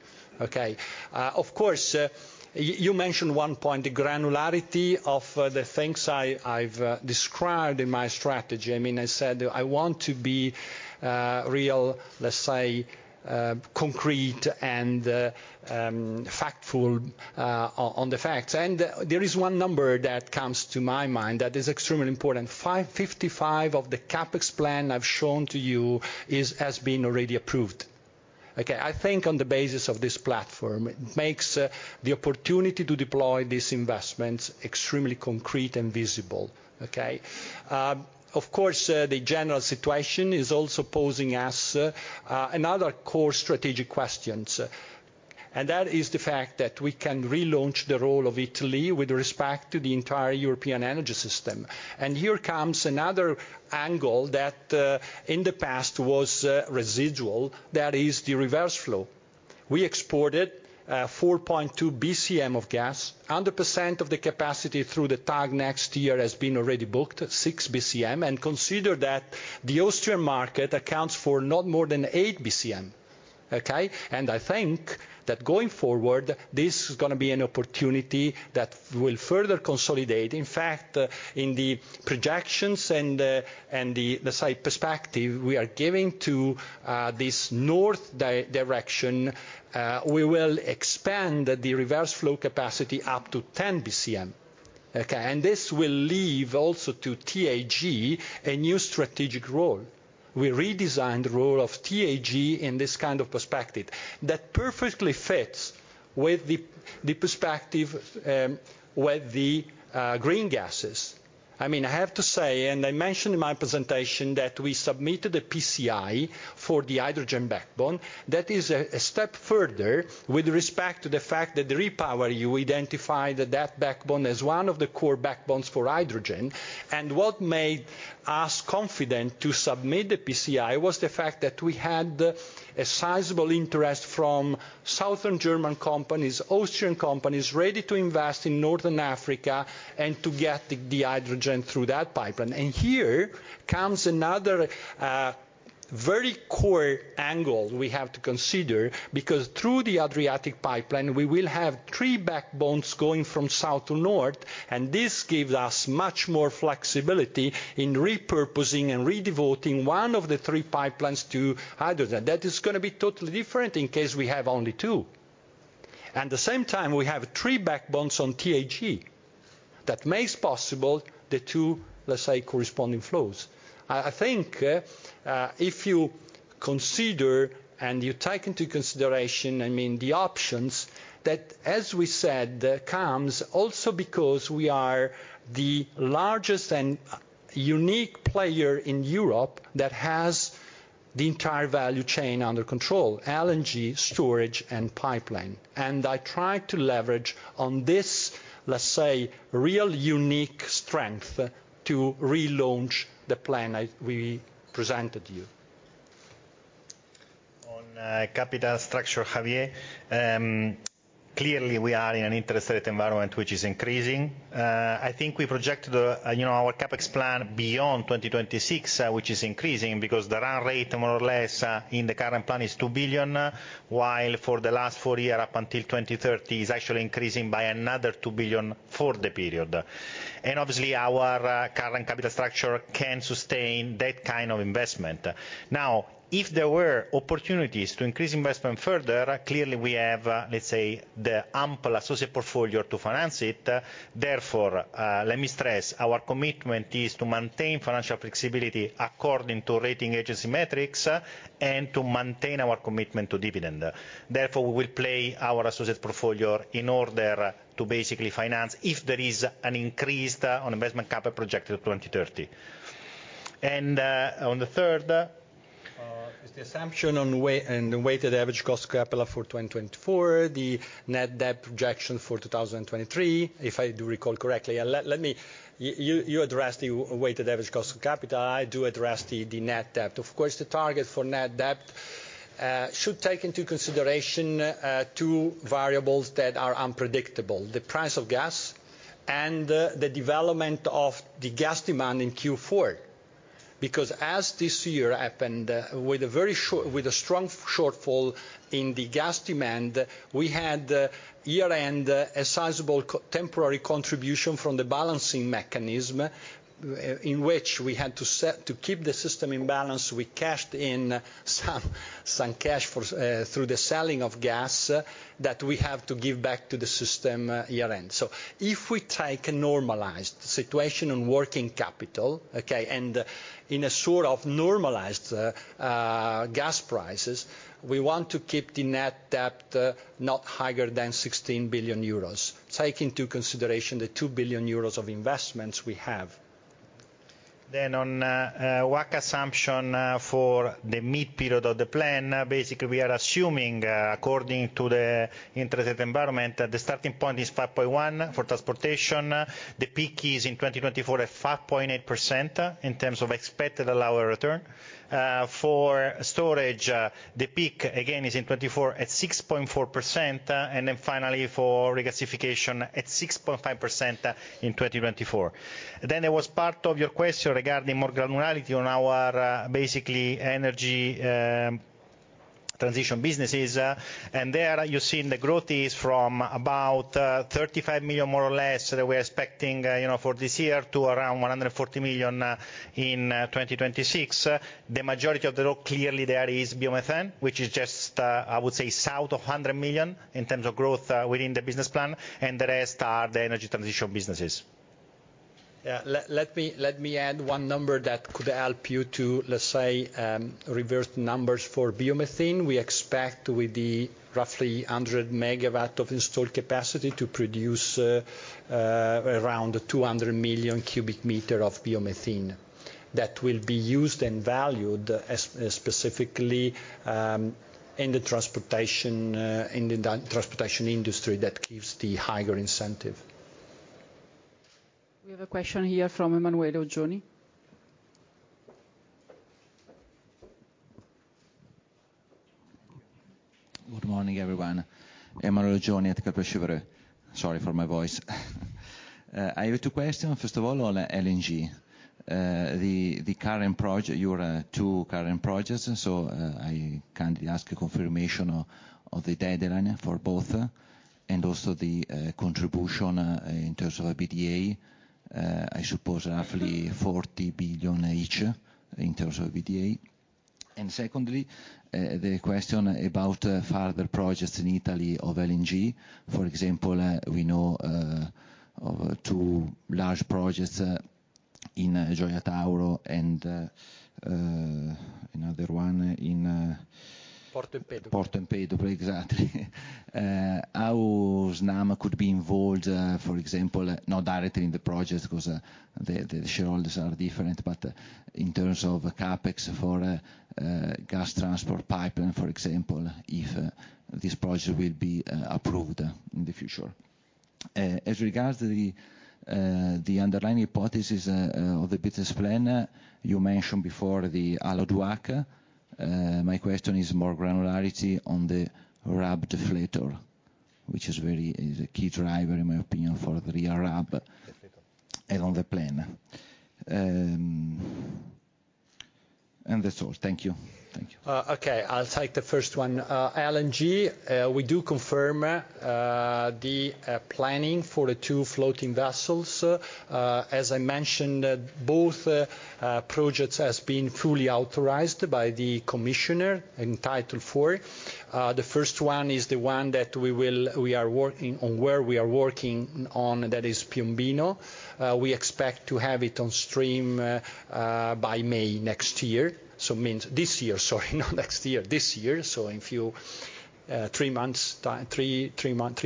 Of course, you mentioned 1 point, the granularity of the things I've described in my strategy. I mean, I said I want to be real, let's say, concrete and factful on the facts. There is one number that comes to my mind that is extremely important. 555 of the CapEx plan I've shown to you has been already approved. Okay? I think on the basis of this platform, it makes the opportunity to deploy these investments extremely concrete and visible. Okay? Of course, the general situation is also posing us another core strategic questions, and that is the fact that we can relaunch the role of Italy with respect to the entire European energy system. Here comes another angle that in the past was residual, that is the reverse flow. We exported 4.2 BCM of gas. 100% of the capacity through the TAG next year has been already booked, 6 BCM. Consider that the Austrian market accounts for not more than 8 BCM. Okay. I think that going forward, this is gonna be an opportunity that will further consolidate. In fact, in the projections and the site perspective we are giving to this north direction, we will expand the reverse flow capacity up to 10 BCM. Okay. This will leave also to TAG a new strategic role. We redesigned the role of TAG in this kind of perspective that perfectly fits with the perspective with the green gases. I mean, I have to say, and I mentioned in my presentation, that we submitted a PCI for the hydrogen backbone. That is a step further with respect to the fact that the REPowerEU identified that that backbone as one of the core backbones for hydrogen. What made us confident to submit the PCI was the fact that we had a sizable interest from Southern German companies, Austrian companies, ready to invest in Northern Africa and to get the hydrogen through that pipeline. Here comes another very core angle we have to consider, because through the Adriatic pipeline, we will have three backbones going from south to north, and this gives us much more flexibility in repurposing and rededicating one of the three pipelines to hydrogen. That is gonna be totally different in case we have only two. At the same time, we have three backbones on TAG that makes possible the two, let's say, corresponding flows. I think if you Consider and you take into consideration, I mean, the options that, as we said, comes also because we are the largest and unique player in Europe that has the entire value chain under control, LNG, storage, and pipeline. I try to leverage on this, let's say, real unique strength to relaunch the plan we presented you. On capital structure, Javier, clearly we are in an interest rate environment which is increasing. I think we projected, you know, our CapEx plan beyond 2026, which is increasing because the run rate more or less in the current plan is 2 billion, while for the last four year up until 2030 is actually increasing by another 2 billion for the period. Obviously our current capital structure can sustain that kind of investment. Now, if there were opportunities to increase investment further, clearly we have, let's say, the ample associate portfolio to finance it. Therefore, let me stress, our commitment is to maintain financial flexibility according to rating agency metrics and to maintain our commitment to dividend. We will play our associate portfolio in order to basically finance if there is an increase on investment capital projected 2030. On the third. Is the assumption on in the weighted average cost of capital for 2024, the net debt projection for 2023, if I do recall correctly. Let me. You address the weighted average cost of capital, I do address the net debt. Of course, the target for net debt should take into consideration two variables that are unpredictable, the price of gas and the development of the gas demand in Q4. Because as this year happened, with a very strong shortfall in the gas demand, we had year-end a sizable co-temporary contribution from the balancing mechanism, in which we had to set to keep the system in balance, we cashed in some cash for through the selling of gas that we have to give back to the system year-end. If we take a normalized situation on working capital, okay, and in a sort of normalized gas prices, we want to keep the net debt not higher than 16 billion euros, take into consideration the 2 billion euros of investments we have. On WACC assumption for the mid period of the plan, basically we are assuming, according to the interest rate environment, the starting point is 5.1% for transportation. The peak is in 2024 at 5.8% in terms of expected lower return. For storage, the peak again is in 2024 at 6.4%. Finally for regasification at 6.5% in 2024. There was part of your question regarding more granularity on our basically energy transition businesses. There you're seeing the growth is from about 35 million, more or less, that we are expecting, you know, for this year, to around 140 million in 2026. The majority of the growth clearly there is biomethane, which is just, I would say, south of 100 million in terms of growth, within the business plan. The rest are the energy transition businesses. Yeah. Let me add one number that could help you to, let's say, reverse the numbers for biomethane. We expect with the roughly 100 MW of installed capacity to produce around 200 million cubic meters of biomethane that will be used and valued specifically in the transportation industry that gives the higher incentive. We have a question here from Emanuele Oggioni. Good morning, everyone. Emanuele Oggioni at Kepler Cheuvreux. Sorry for my voice. I have two question. First of all, on LNG. The current your two current projects, so I kindly ask a confirmation of the deadline for both, and also the contribution in terms of EBITDA. I suppose roughly 40 billion each in terms of EBITDA. Secondly, the question about further projects in Italy of LNG. For example, we know of two large projects in Gioia Tauro and another one in- Porto Empedocle. Porto Empedocle, exactly. How Snam could be involved, for example, not directly in the project 'cause the shareholders are different, but in terms of CapEx for gas transport pipeline, for example, if this project will be approved in the future. As regards to the underlying hypothesis of the business plan, you mentioned before the allowed WACC. My question is more granularity on the RAB deflator, which is very, is a key driver, in my opinion, for the real RAB. Deflator. And on the plan. That's all. Thank you. Thank you. Okay. I'll take the first one. LNG, we do confirm the planning for the two floating vessels. As I mentioned, both projects has been fully authorized by the commissioner in Title IV. The first one is the one that we are working on, where we are working on, that is Piombino. We expect to have it on stream by May next year. Means this year, sorry, not next year, this year. In few three,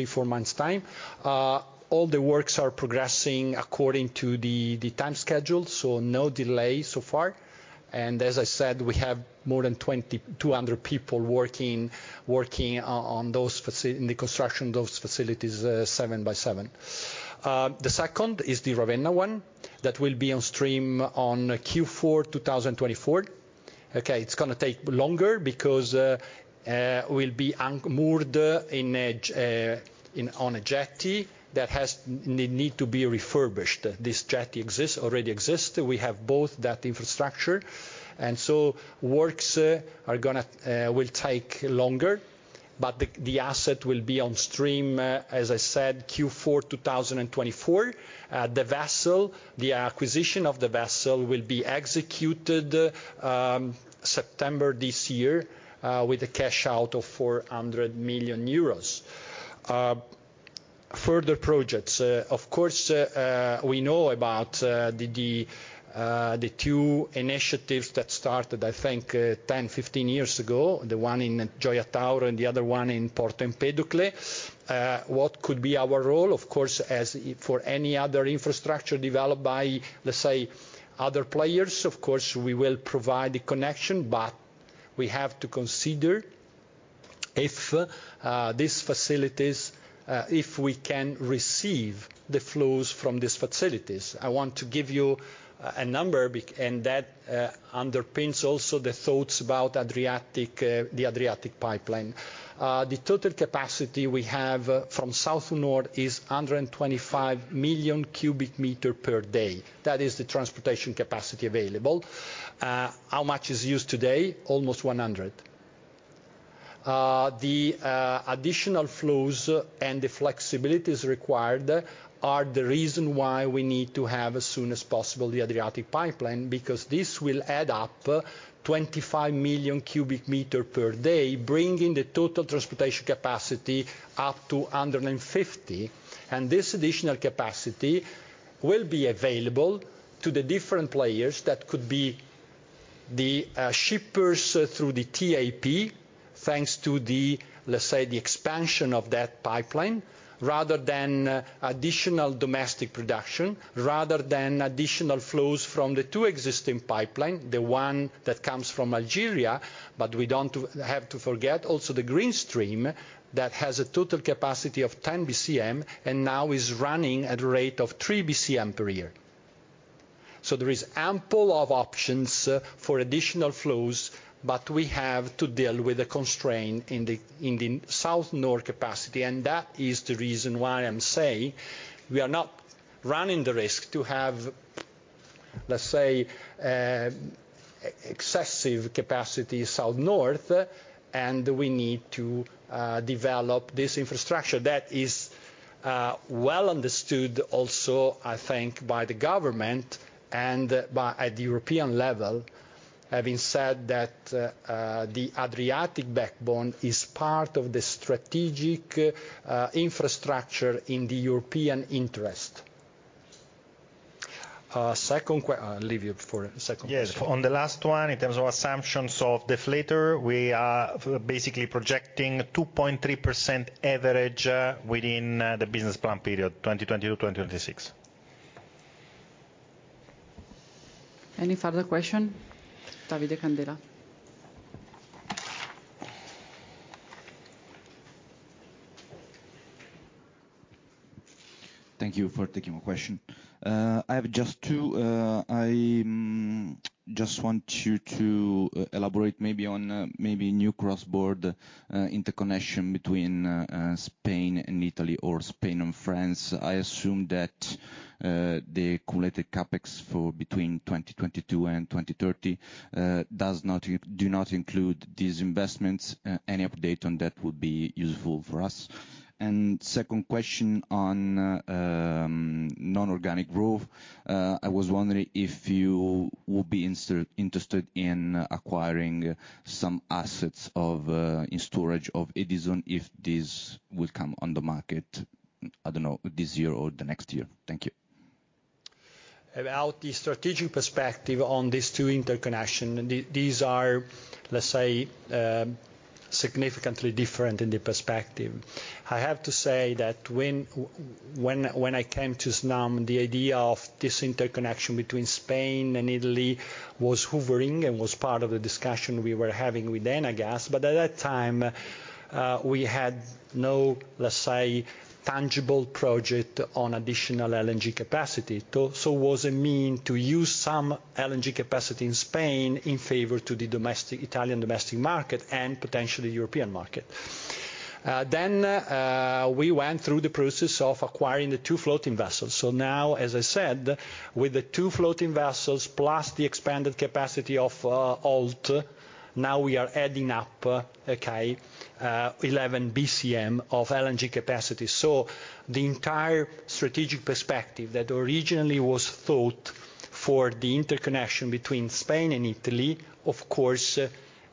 four months time. All the works are progressing according to the time schedule, so no delay so far. As I said, we have more than 2,200 people working on in the construction those facilities, seven by seven. The second is the Ravenna one that will be on stream on Q4, 2024. Okay, it's gonna take longer because we'll be moored in on a jetty that has need to be refurbished. This jetty already exists. We have both that infrastructure, so works are gonna will take longer. But the asset will be on stream, as I said, Q4, 2024. The vessel, the acquisition of the vessel will be executed September this year, with a cash out of 400 million euros. Further projects. Of course, we know about the two initiatives that started, I think, 10, 15 years ago, the one in Gioia Tauro and the other one in Porto Empedocle. What could be our role, of course, as for any other infrastructure developed by, let's say, other players, of course, we will provide the connection. We have to consider if these facilities, if we can receive the flows from these facilities. I want to give you a number and that underpins also the thoughts about Adriatic pipeline. The total capacity we have from south to north is 125 million cubic meter per day. That is the transportation capacity available. How much is used today? Almost 100 million cubic meter per day. The additional flows and the flexibilities required are the reason why we need to have, as soon as possible, the Adriatic pipeline, because this will add up 25 million cubic meter per day, bringing the total transportation capacity up to 150 million cubic meter per day. This additional capacity will be available to the different players that could be the shippers through the TAP, thanks to the, let's say, the expansion of that pipeline, rather than additional domestic production, rather than additional flows from the two existing pipeline, the one that comes from Algeria. We don't have to forget also the GreenStream that has a total capacity of 10 BCM, and now is running at a rate of 3 BCM per year. There is ample of options for additional flows, but we have to deal with the constraint in the south-north capacity, and that is the reason why I'm saying we are not running the risk to have, let's say, excessive capacity south-north, and we need to develop this infrastructure. That is well understood also, I think, by the government and by at the European level, having said that, the Adriatic backbone is part of the strategic infrastructure in the European interest. Leave it for second question. Yes. On the last one, in terms of assumptions of deflator, we are basically projecting 2.3% average, within the business plan period, 2020-2026. Any further question? Davide Candela. Thank you for taking my question. I have just two. I just want you to elaborate maybe on maybe new cross-border interconnection between Spain and Italy or Spain and France. I assume that the cumulative CapEx for between 2022 and 2030 do not include these investments. Any update on that would be useful for us. Second question on non-organic growth. I was wondering if you would be interested in acquiring some assets of in storage of Edison if these will come on the market, I don't know, this year or the next year. Thank you. About the strategic perspective on these two interconnection, these are, let's say, significantly different in the perspective. I have to say that when I came to Snam, the idea of this interconnection between Spain and Italy was hoovering and was part of the discussion we were having with Enagás. At that time, we had no, let's say, tangible project on additional LNG capacity. Was a mean to use some LNG capacity in Spain in favor to the domestic, Italian domestic market and potentially European market. We went through the process of acquiring the two floating vessels. Now, as I said, with the twofloating vessels plus the expanded capacity of OLT, we are adding up 11 BCM of LNG capacity. The entire strategic perspective that originally was thought for the interconnection between Spain and Italy, of course,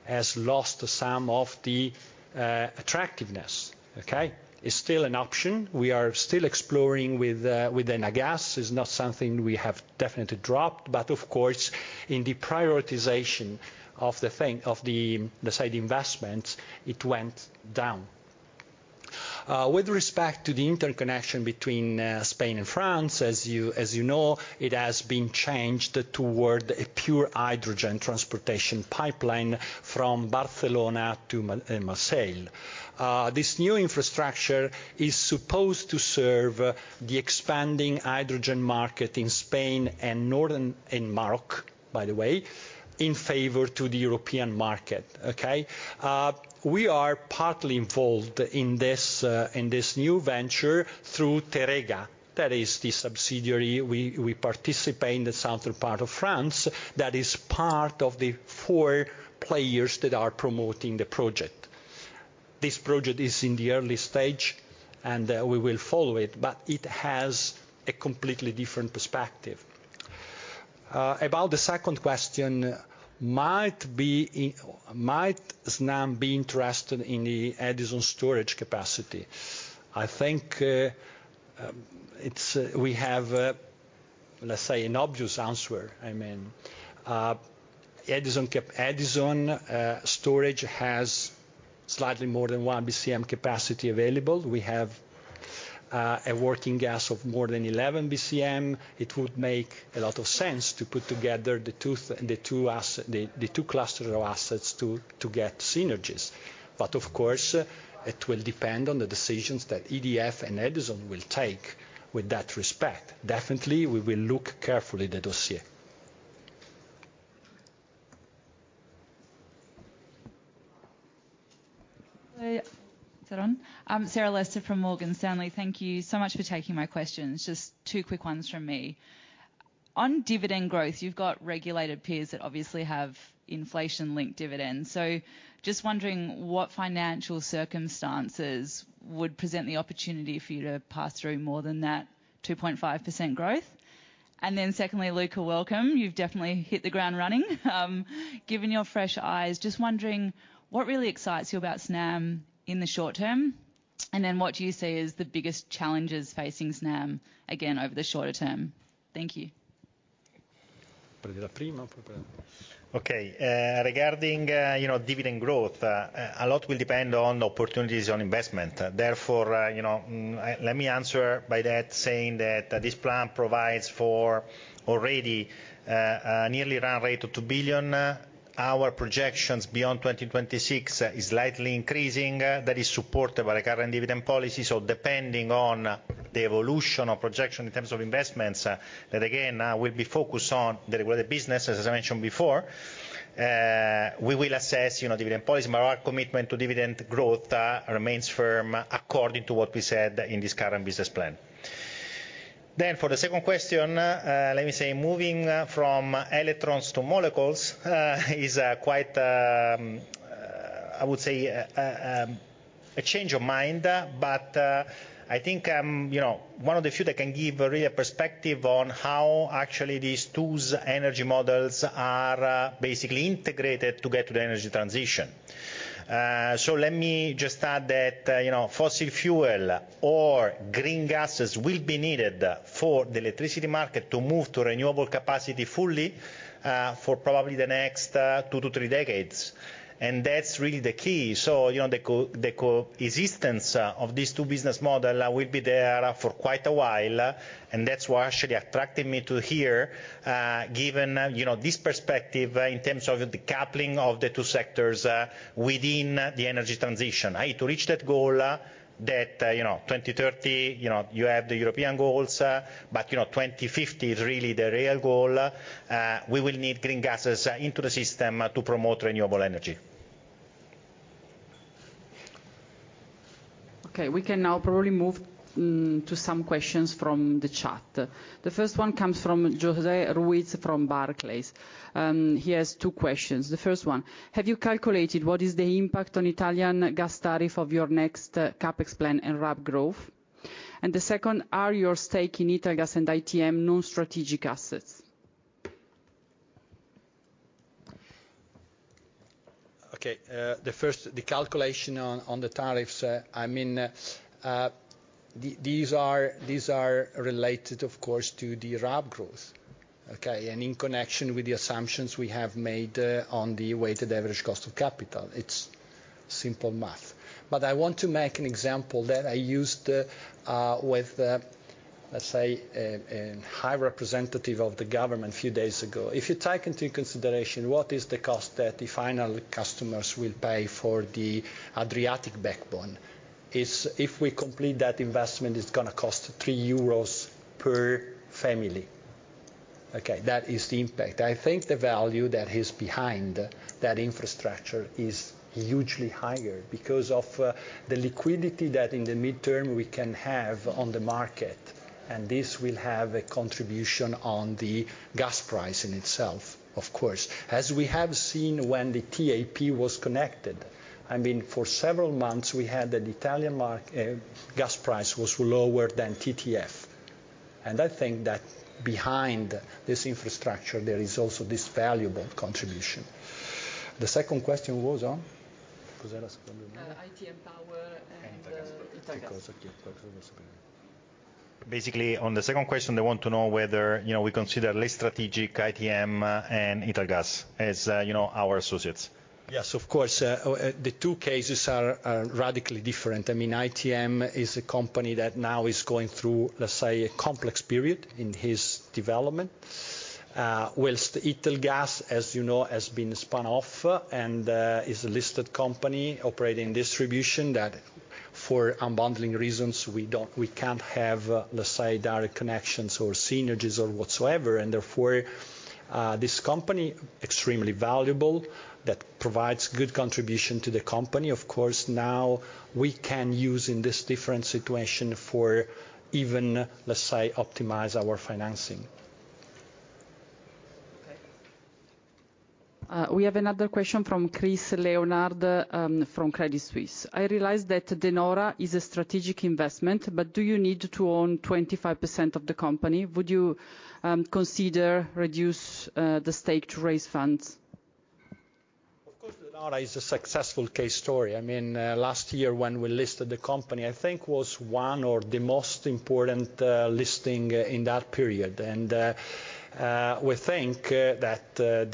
has lost some of the attractiveness. Okay? It's still an option. We are still exploring with Enagás. It's not something we have definitely dropped. Of course, in the prioritization of the said investment, it went down. With respect to the interconnection between Spain and France, as you know, it has been changed toward a pure hydrogen transportation pipeline from Barcelona to Marseille. This new infrastructure is supposed to serve the expanding hydrogen market in Spain and Morocco, by the way, in favor to the European market. Okay? We are partly involved in this new venture through Teréga. That is the subsidiary we participate in the southern part of France, that is part of the four players that are promoting the project. This project is in the early stage, we will follow it. It has a completely different perspective. About the second question, might Snam be interested in the Edison storage capacity? I think, we have, let's say, an obvious answer. I mean, Edison storage has slightly more than one BCM capacity available. We have a working gas of more than 11 BCM. It would make a lot of sense to put together the two cluster of assets to get synergies. Of course, it will depend on the decisions that EDF and Edison will take with that respect. Definitely, we will look carefully at the dossier. Hi. Is that on? I'm Sarah Lester from Morgan Stanley. Thank you so much for taking my questions. Just two quick ones from me. On dividend growth, you've got regulated peers that obviously have inflation-linked dividends. Just wondering what financial circumstances would present the opportunity for you to pass through more than that 2.5% growth? Secondly, Luca, welcome. You've definitely hit the ground running. Given your fresh eyes, just wondering what really excites you about Snam in the short term, and then what do you see as the biggest challenges facing Snam, again, over the shorter term? Thank you. Okay. Regarding, you know, dividend growth, a lot will depend on opportunities on investment. Therefore, you know, let me answer by that saying that this plan provides for already a nearly run rate of 2 billion. Our projections beyond 2026 is slightly increasing, that is supported by the current dividend policy. Depending on the evolution or projection in terms of investments, that again, will be focused on the regular business, as I mentioned before, we will assess, you know, dividend policy. Our commitment to dividend growth remains firm according to what we said in this current business plan. For the second question, let me say moving from electrons to molecules, is quite I would say a change of mind. I think, you know, one of the few that can give a real perspective on how actually these two energy models are, basically integrated to get to the energy transition. Let me just add that, you know, fossil fuel or green gases will be needed for the electricity market to move to renewable capacity fully, for probably the next, two to three decades. That's really the key. You know, the co-existence of these two business model will be there for quite a while. That's what actually attracted me to here, given, you know, this perspective in terms of the coupling of the two sectors, within the energy transition. To reach that goal, that, you know, 2030, you know, you have the European goals, but, you know, 2050 is really the real goal. We will need green gases into the system, to promote renewable energy. Okay. We can now probably move to some questions from the chat. The first one comes from José Ruiz from Barclays. He has two questions. The first one: Have you calculated what is the impact on Italian gas tariff of your next CapEx plan and RAB growth? The second: Are your stake in Italgas and ITM non-strategic assets? Okay. The first, the calculation on the tariffs, I mean, these are related, of course, to the RAB growth. Okay? In connection with the assumptions we have made on the weighted average cost of capital. It's simple math. I want to make an example that I used with, let's say, a high representative of the government a few days ago. If you take into consideration what is the cost that the final customers will pay for the Adriatic Line, is if we complete that investment, it's gonna cost 3 euros per family. Okay. That is the impact. I think the value that is behind that infrastructure is hugely higher because of the liquidity that in the midterm we can have on the market, and this will have a contribution on the gas price in itself, of course, as we have seen when the TAP was connected. I mean, for several months, we had an Italian gas price was lower than TTF. I think that behind this infrastructure, there is also this valuable contribution. The second question was on? ITM Power and Italgas. On the second question, they want to know whether, you know, we consider less strategic ITM and Italgas as, you know, our associates. Yes, of course. The two cases are radically different. I mean, ITM is a company that now is going through, let's say, a complex period in its development. Whilst Italgas, as you know, has been spun off and is a listed company operating distribution that for unbundling reasons we can't have, let's say, direct connections or synergies or whatsoever. Therefore, this company, extremely valuable, that provides good contribution to the company, of course, now we can use in this different situation for even, let's say, optimize our financing. Okay. We have another question from Chris Leonard, from Credit Suisse. I realize that De Nora is a strategic investment, but do you need to own 25% of the company? Would you, consider reduce, the stake to raise funds? Of course, De Nora is a successful case story. I mean, last year when we listed the company, I think was one or the most important listing in that period. We think that the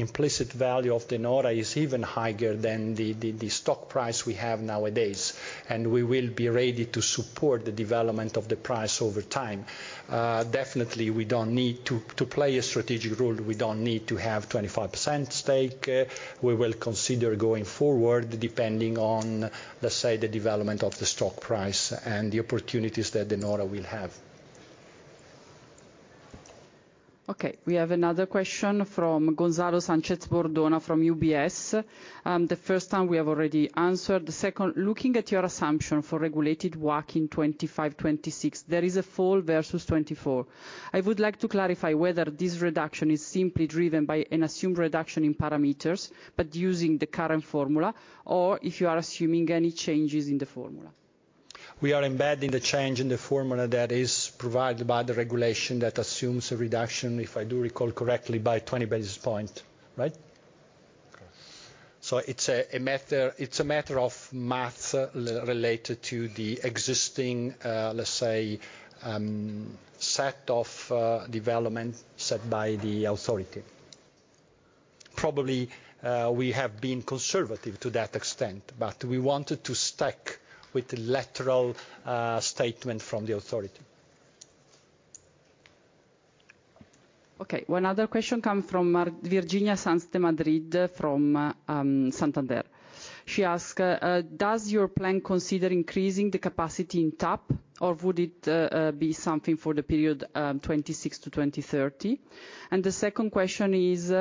implicit value of De Nora is even higher than the stock price we have nowadays. We will be ready to support the development of the price over time. Definitely we don't need to play a strategic role, we don't need to have 25% stake. We will consider going forward, depending on, let's say, the development of the stock price and the opportunities that De Nora will have. Okay. We have another question from Gonzalo Sanchez-Bordona from UBS. The first time we have already answered. The second, looking at your assumption for regulated WACC in 2025, 2026, there is a fall versus 2024. I would like to clarify whether this reduction is simply driven by an assumed reduction in parameters, but using the current formula, or if you are assuming any changes in the formula. We are embedding the change in the formula that is provided by the regulation that assumes a reduction, if I do recall correctly, by 20 basis point, right? Correct. It's a matter of math re-related to the existing, let's say, set of development set by the authority. Probably, we have been conservative to that extent, but we wanted to stick with the lateral statement from the authority. Okay. One other question come from Virginia Sanz de Madrid from Santander. She ask, does your plan consider increasing the capacity in TAP, or would it be something for the period 2026 to 2030? The second question is,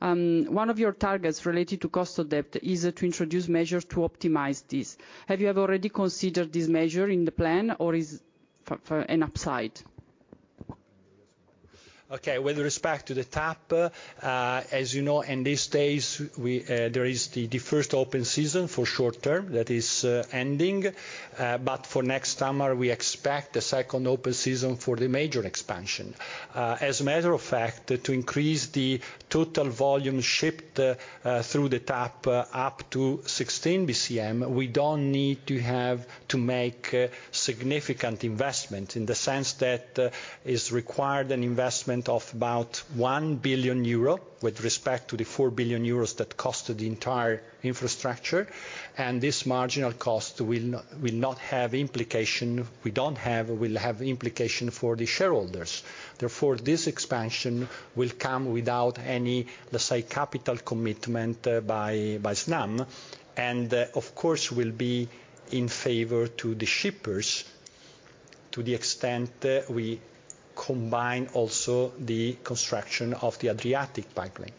one of your targets related to cost of debt is to introduce measures to optimize this. Have you already considered this measure in the plan, or is for an upside? Okay. With respect to the TAP, as you know, in these days we, there is the first open season for short term that is ending. For next summer, we expect a second open season for the major expansion. As a matter of fact, to increase the total volume shipped through the TAP up to 16 BCM, we don't need to make significant investment in the sense that is required an investment of about 1 billion euro with respect to the 4 billion euros that cost the entire infrastructure. This marginal cost will have implication for the shareholders. Therefore, this expansion will come without any, let's say, capital commitment, by Snam, and of course will be in favor to the shippers, to the extent, we combine also the construction of the Adriatic Line.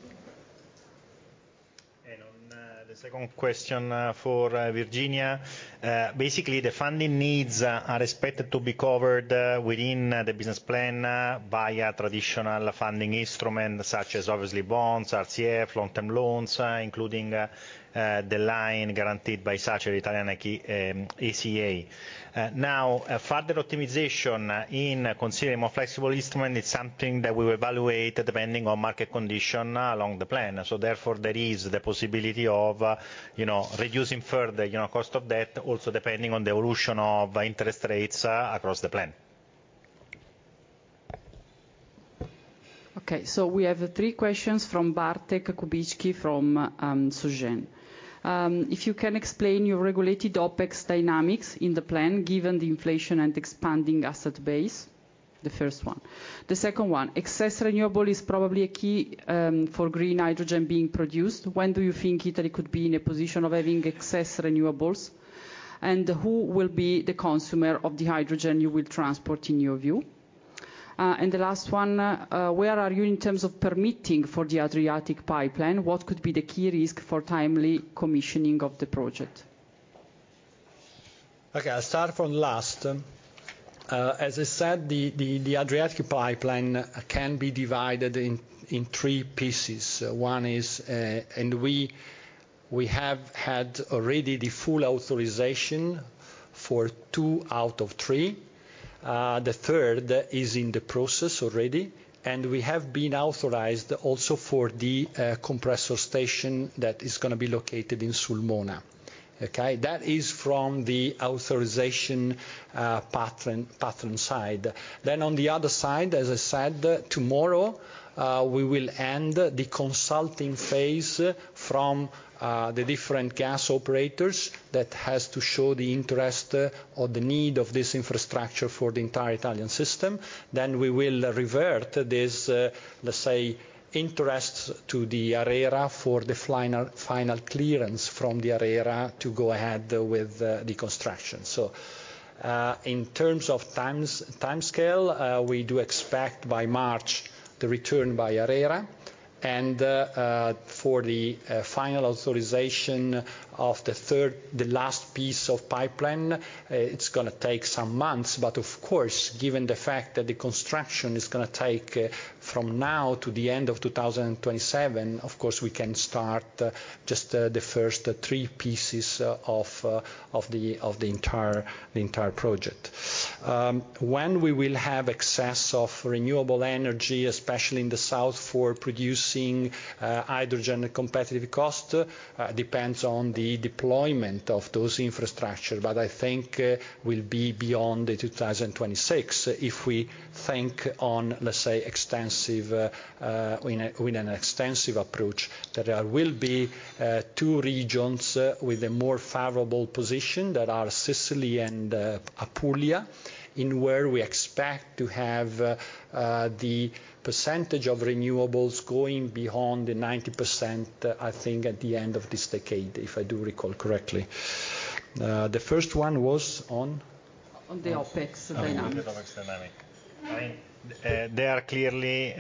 On the second question for Virginia, basically the funding needs are expected to be covered within the business plan via traditional funding instrument such as obviously bonds, RCF, long-term loans, including the line guaranteed by SACE Italian ECA. Further optimization in considering more flexible instrument is something that we will evaluate depending on market condition along the plan. Therefore, there is the possibility of, you know, reducing further, you know, cost of debt, also depending on the evolution of interest rates across the plan. We have three questions from Bartek Kubicki from Bernstein. If you can explain your regulated OpEx dynamics in the plan given the inflation and expanding asset base, the first one? The second one, excess renewable is probably a key for green hydrogen being produced. When do you think Italy could be in a position of having excess renewables? Who will be the consumer of the hydrogen you will transport in your view? The last one, where are you in terms of permitting for the Adriatic Line? What could be the key risk for timely commissioning of the project? Okay, I'll start from last. As I said, the Adriatic Line can be divided in three pieces. One is, and We have had already the full authorization for two out of three. The third is in the process already, and we have been authorized also for the compressor station that is gonna be located in Sulmona. Okay? That is from the authorization pattern side. On the other side, as I said, tomorrow, we will end the consulting phase from the different gas operators that has to show the interest or the need of this infrastructure for the entire Italian system. We will revert this, let's say, interests to the ARERA for the final clearance from the ARERA to go ahead with the construction. In terms of timescale, we do expect by March the return by ARERA and for the final authorization of the third the last piece of pipeline, it's gonna take some months. Of course, given the fact that the construction is gonna take from now to the end of 2027, of course, we can start just the first three pieces of the entire project. When we will have excess of renewable energy, especially in the south for producing hydrogen at competitive cost, depends on the deployment of those infrastructure. I think will be beyond 2026 if we think on, let's say, extensive with an extensive approach. That there will be, two regions, with a more favorable position that are Sicily and, Apulia, in where we expect to have, the percentage of renewables going beyond the 90%, I think, at the end of this decade, if I do recall correctly. The first one was on? On the OpEx dynamics. On the OpEx dynamic. I mean, they are clearly,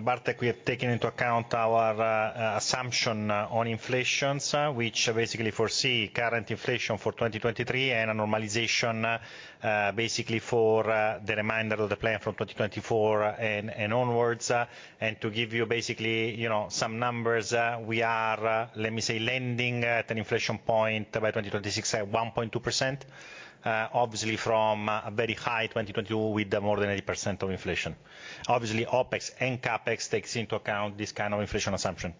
Bartłomiej Kubicki, we have taken into account our assumption on inflations, which basically foresee current inflation for 2023 and a normalization, basically for the remainder of the plan from 2024 and onwards. To give you basically, you know, some numbers, we are, let me say, lending at an inflation point by 2026 at 1.2%, obviously from a very high 2022 with more than 80% of inflation. Obviously OpEx and CapEx takes into account this kind of inflation assumption.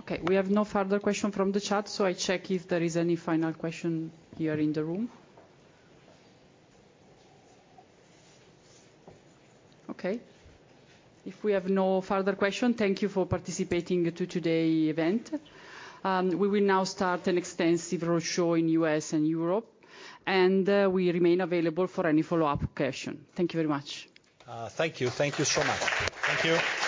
Okay, we have no further question from the chat. I check if there is any final question here in the room. Okay. If we have no further question, thank you for participating to today event. We will now start an extensive roadshow in U.S. and Europe, we remain available for any follow-up question. Thank you very much. Thank you. Thank you so much. Thank you